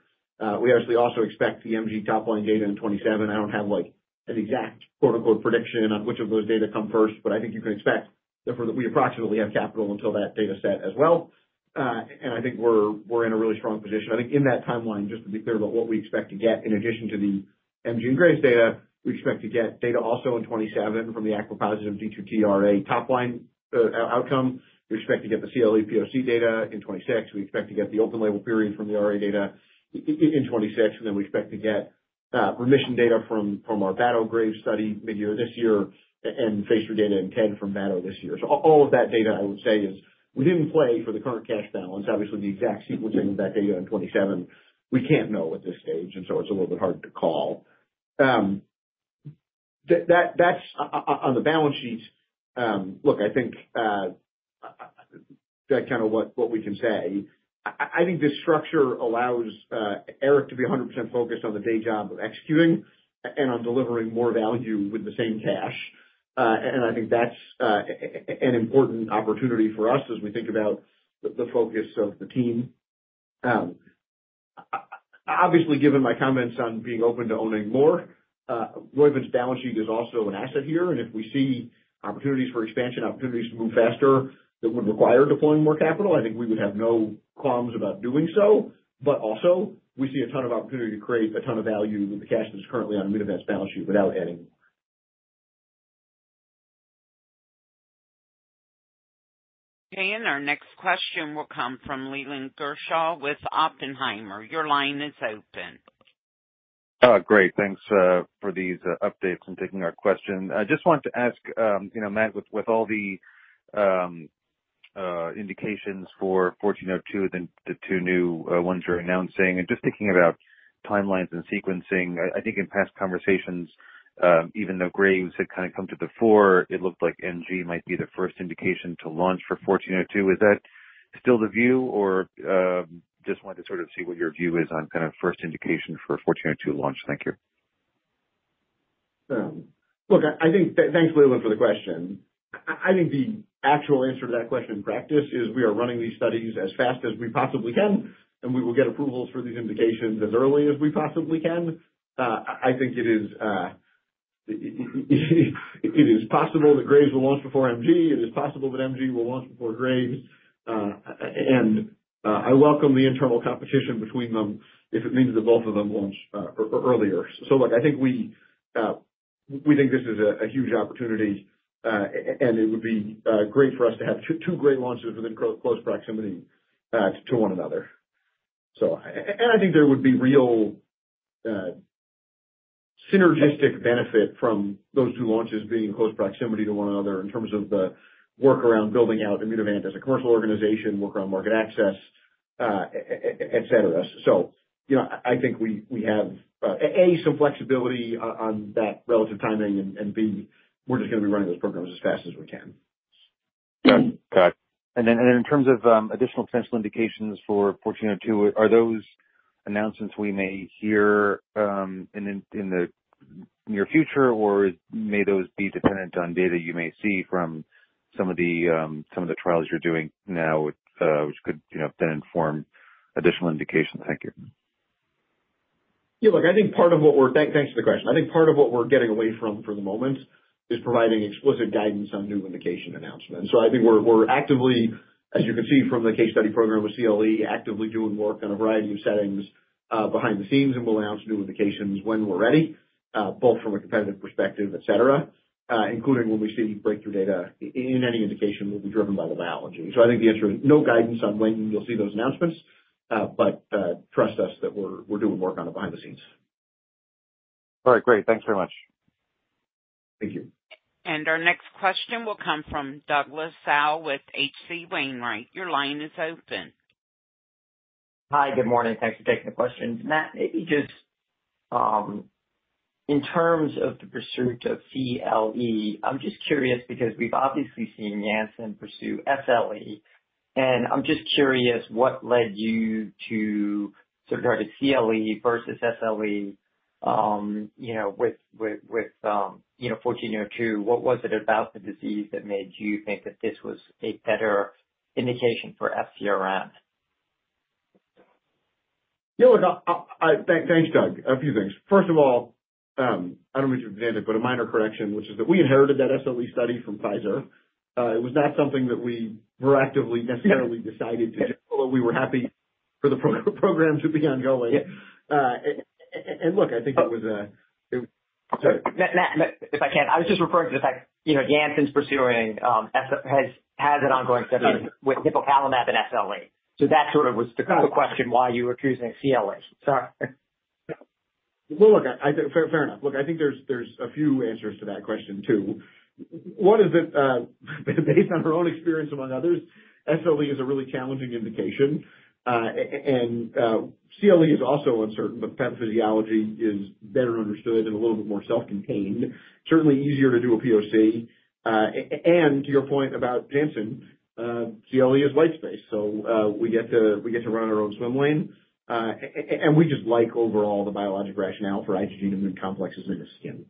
We obviously also expect the MG top-line data in 2027. I don't have an exact "prediction" on which of those data come first, but I think you can expect that we approximately have capital until that data set as well. I think we're in a really strong position. I think in that timeline, just to be clear about what we expect to get in addition to the MG and Graves data, we expect to get data also in 2027 from the acquisition of D2T RA top-line outcome. We expect to get the CLE POC data in 2026. We expect to get the open-label period from the RA data in 2026. We expect to get remission data from our Battelle-Graves study mid-year this year and phase III data in TED from Battelle this year. All of that data, I would say, is within play for the current cash balance. Obviously, the exact sequencing of that data in 2027, we can't know at this stage. It is a little bit hard to call. On the balance sheet, look, I think that's kind of what we can say. I think this structure allows Eric to be 100% focused on the day job of executing and on delivering more value with the same cash. I think that's an important opportunity for us as we think about the focus of the team. Obviously, given my comments on being open to owning more, Roivant's balance sheet is also an asset here. If we see opportunities for expansion, opportunities to move faster that would require deploying more capital, I think we would have no qualms about doing so. We see a ton of opportunity to create a ton of value with the cash that's currently on Immunovant's balance sheet without adding more. And, our next question will come from Leland Gershell with Oppenheimer. Your line is open. Great. Thanks for these updates and taking our question. I just wanted to ask, Matt, with all the indications for 1402, the two new ones you're announcing, and just thinking about timelines and sequencing, I think in past conversations, even though Graves had kind of come to the fore, it looked like MG might be the first indication to launch for 1402. Is that still the view, or just wanted to sort of see what your view is on kind of first indication for 1402 launch? Thank you. Look, I think thanks, Leland, for the question. I think the actual answer to that question in practice is we are running these studies as fast as we possibly can, and we will get approvals for these indications as early as we possibly can. I think it is possible that Graves will launch before MG. It is possible that MG will launch before Graves. I welcome the internal competition between them if it means that both of them launch earlier. I think we think this is a huge opportunity, and it would be great for us to have two great launches within close proximity to one another. I think there would be real synergistic benefit from those two launches being in close proximity to one another in terms of the work around building out Immunovant as a commercial organization, work around market access, etc. I think we have, A, some flexibility on that relative timing, and B, we're just going to be running those programs as fast as we can. Got it. In terms of additional potential indications for 1402, are those announcements we may hear in the near future, or may those be dependent on data you may see from some of the trials you're doing now, which could then inform additional indications? Thank you. Yeah, look, I think part of what we're—thanks for the question. I think part of what we're getting away from for the moment is providing explicit guidance on new indication announcements. I think we're actively, as you can see from the case study program with CLE, actively doing work on a variety of settings behind the scenes and will announce new indications when we're ready, both from a competitive perspective, etc., including when we see breakthrough data in any indication will be driven by the biology. I think the answer is no guidance on when you'll see those announcements, but trust us that we're doing work on it behind the scenes. All right. Great. Thanks very much. Thank you. Our next question will come from Douglas Tsao with H.C. Wainwright. Your line is open. Hi, good morning. Thanks for taking the question. Matt, maybe just in terms of the pursuit of CLE, I'm just curious because we've obviously seen Janssen pursue SLE. I'm just curious what led you to sort of go to CLE versus SLE with 1402. What was it about the disease that made you think that this was a better indication for FcRn? Yeah, look, thanks, Doug. A few things. First of all, I don't mean to be vindictive, but a minor correction, which is that we inherited that SLE study from Pfizer. It was not something that we proactively necessarily decided to do, but we were happy for the program to be ongoing. I think it was. Matt, if I can, I was just referring to the fact Janssen's pursuing has an ongoing study with nipocalimab and SLE. That sort of was the core question why you were choosing CLE. Sorry. Fair enough. I think there's a few answers to that question too. One is that based on our own experience among others, SLE is a really challenging indication. CLE is also uncertain, but the pathophysiology is better understood and a little bit more self-contained. Certainly easier to do a POC. To your point about Janssen, CLE is light space. We get to run our own swim lane. We just like overall the biologic rationale for IgG immune complexes in the skin.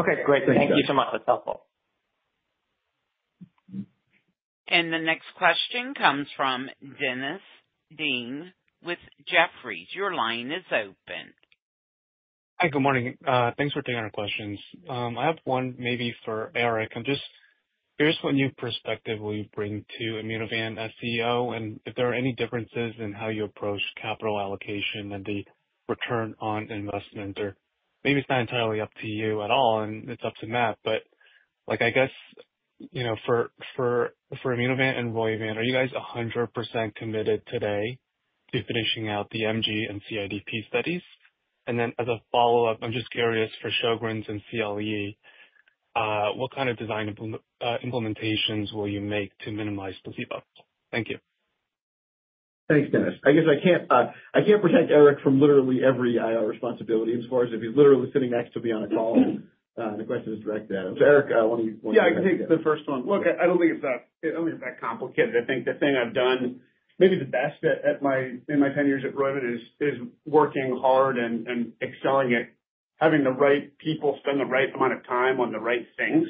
Okay. Great. Thank you. Thank you so much. That's helpful. The next question comes from Dennis Ding with Jefferies. Your line is open. Hi, good morning. Thanks for taking our questions. I have one maybe for Eric. I'm just curious what new perspective will you bring to Immunovant as CEO, and if there are any differences in how you approach capital allocation and the return on investment. Or maybe it's not entirely up to you at all, and it's up to Matt, but I guess for Immunovant and Roivant, are you guys 100% committed today to finishing out the MG and CIDP studies? As a follow-up, I'm just curious for Sjögren's and CLE, what kind of design implementations will you make to minimize placebo? Thank you. Thanks, Dennis. I guess I can't protect Eric from literally every responsibility as far as if he's literally sitting next to me on a call and the question is directed at him. So Eric, I want you to. Yeah, I can take the first one. Look, I don't think it's that complicated. I think the thing I've done maybe the best in my 10 years at Roivant is working hard and excelling at having the right people spend the right amount of time on the right things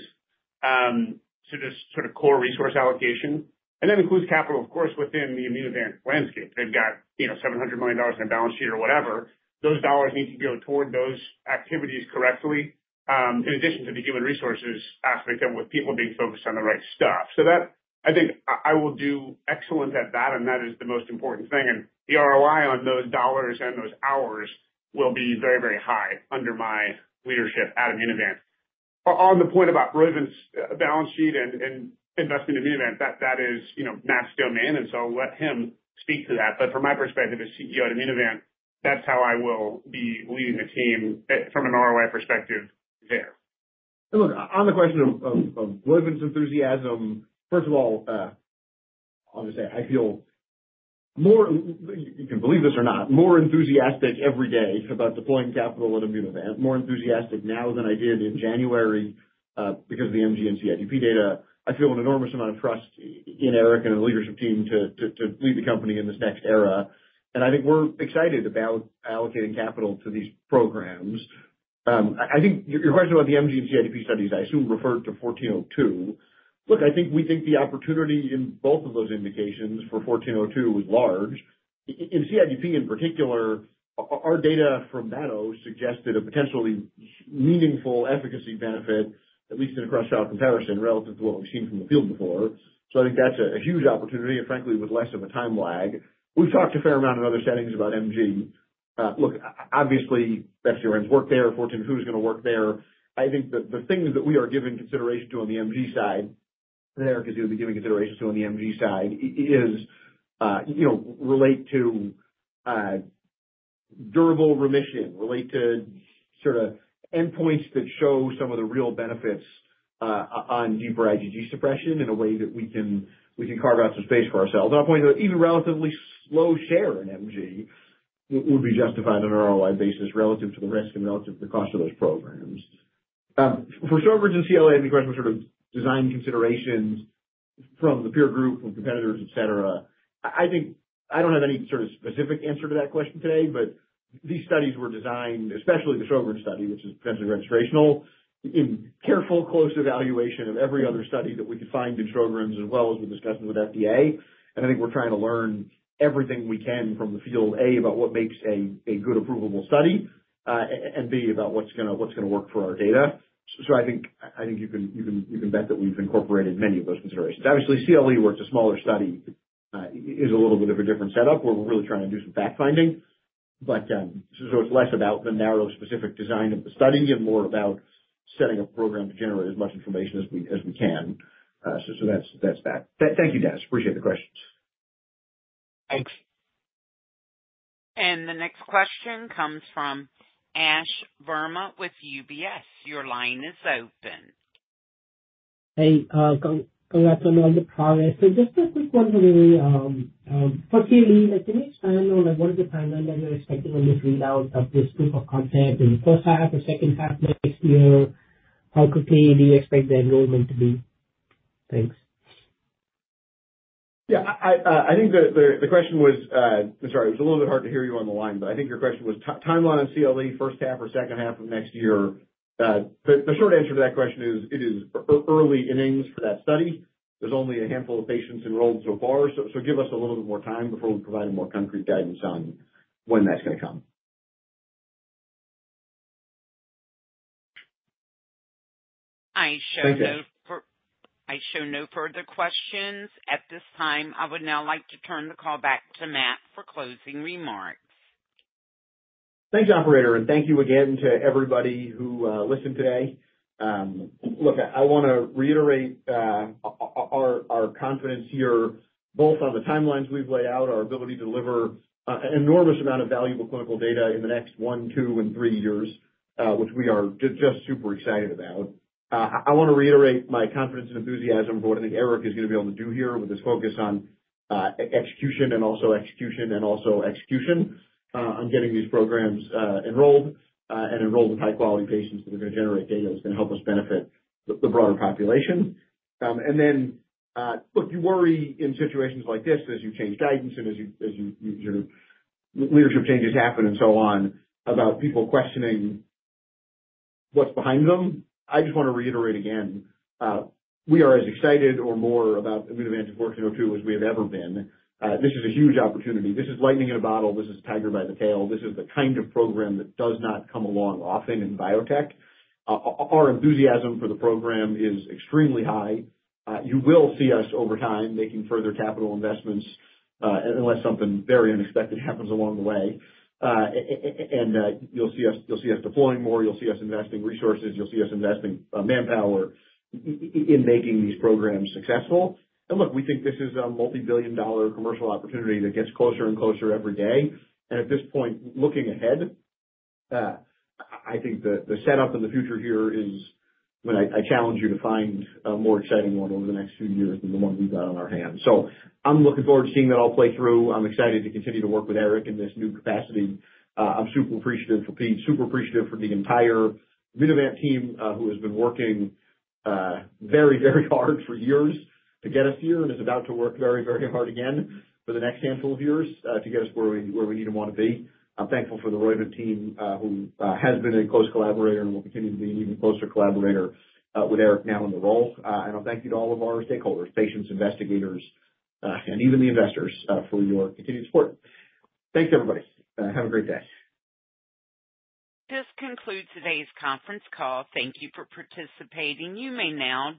to just sort of core resource allocation. That includes capital, of course, within the Immunovant landscape. They've got $700 million in their balance sheet or whatever. Those dollars need to go toward those activities correctly in addition to the human resources aspect of it with people being focused on the right stuff. I think I will do excellent at that, and that is the most important thing. The ROI on those dollars and those hours will be very, very high under my leadership at Immunovant. On the point about Roivant's balance sheet and investing in Immunovant, that is Matt's domain, and so let him speak to that. From my perspective as CEO at Immunovant, that's how I will be leading the team from an ROI perspective there. Look, on the question of Roivant's enthusiasm, first of all, I'll just say I feel more—you can believe this or not—more enthusiastic every day about deploying capital at Immunovant. More enthusiastic now than I did in January because of the MG and CIDP data. I feel an enormous amount of trust in Eric and the leadership team to lead the company in this next era. I think we're excited about allocating capital to these programs. I think your question about the MG and CIDP studies, I assume referred to 1402. Look, I think we think the opportunity in both of those indications for 1402 was large. In CIDP in particular, our data from Battelle suggested a potentially meaningful efficacy benefit, at least in a cross-shot comparison relative to what we've seen from the field before. I think that's a huge opportunity, and frankly, with less of a time lag. We've talked a fair amount in other settings about MG. Look, obviously, FcRn's worked there. 1402 is going to work there. I think the things that we are giving consideration to on the MG side—Eric is going to be giving consideration to on the MG side—relate to durable remission, relate to sort of endpoints that show some of the real benefits on deeper IgG suppression in a way that we can carve out some space for ourselves. I'll point out even relatively slow share in MG would be justified on an ROI basis relative to the risk and relative to the cost of those programs. For Sjögren's and CLE, I think we're sort of design considerations from the peer group, from competitors, etc. I don't have any sort of specific answer to that question today, but these studies were designed, especially the Sjögren's study, which is potentially registrational, in careful close evaluation of every other study that we could find in Sjögren's as well as we're discussing with FDA. I think we're trying to learn everything we can from the field, A, about what makes a good, approvable study, and B, about what's going to work for our data. I think you can bet that we've incorporated many of those considerations. Obviously, CLE, where it's a smaller study, is a little bit of a different setup where we're really trying to do some fact-finding. It's less about the narrow specific design of the study and more about setting up a program to generate as much information as we can. That's that. Thank you, Dennis. Appreciate the questions. Thanks. The next question comes from Ash Verma with UBS. Your line is open. Hey, congrats on all the progress. Just a quick one for me. For CLE, can you expand on what is the timeline that you're expecting on this readout of this proof of concept in the first half or second half next year? How quickly do you expect the enrollment to be? Thanks. Yeah, I think the question was, I'm sorry, it was a little bit hard to hear you on the line, but I think your question was timeline on CLE, first half or second half of next year. The short answer to that question is it is early innings for that study. There's only a handful of patients enrolled so far. Give us a little bit more time before we provide more concrete guidance on when that's going to come. I show no further questions at this time. I would now like to turn the call back to Matt for closing remarks. Thank you, Operator. Thank you again to everybody who listened today. Look, I want to reiterate our confidence here, both on the timelines we've laid out, our ability to deliver an enormous amount of valuable clinical data in the next one, two, and three years, which we are just super excited about. I want to reiterate my confidence and enthusiasm for what I think Eric is going to be able to do here with this focus on execution and also execution on getting these programs enrolled and enrolled with high-quality patients that are going to generate data that's going to help us benefit the broader population. You worry in situations like this as you change guidance and as you sort of leadership changes happen and so on about people questioning what's behind them. I just want to reiterate again, we are as excited or more about Immunovant 1402 as we have ever been. This is a huge opportunity. This is lightning in a bottle. This is a tiger by the tail. This is the kind of program that does not come along often in biotech. Our enthusiasm for the program is extremely high. You will see us over time making further capital investments unless something very unexpected happens along the way. You will see us deploying more. You will see us investing resources. You will see us investing manpower in making these programs successful. Look, we think this is a multi-billion dollar commercial opportunity that gets closer and closer every day. At this point, looking ahead, I think the setup in the future here is I challenge you to find a more exciting one over the next few years than the one we've got on our hands. I'm looking forward to seeing that all play through. I'm excited to continue to work with Eric in this new capacity. I'm super appreciative for the entire Immunovant team who has been working very, very hard for years to get us here and is about to work very, very hard again for the next handful of years to get us where we need and want to be. I'm thankful for the Roivant team who has been a close collaborator and will continue to be an even closer collaborator with Eric now in the role. Thank you to all of our stakeholders, patients, investigators, and even the investors for your continued support. Thanks, everybody. Have a great day. This concludes today's conference call. Thank you for participating. You may now.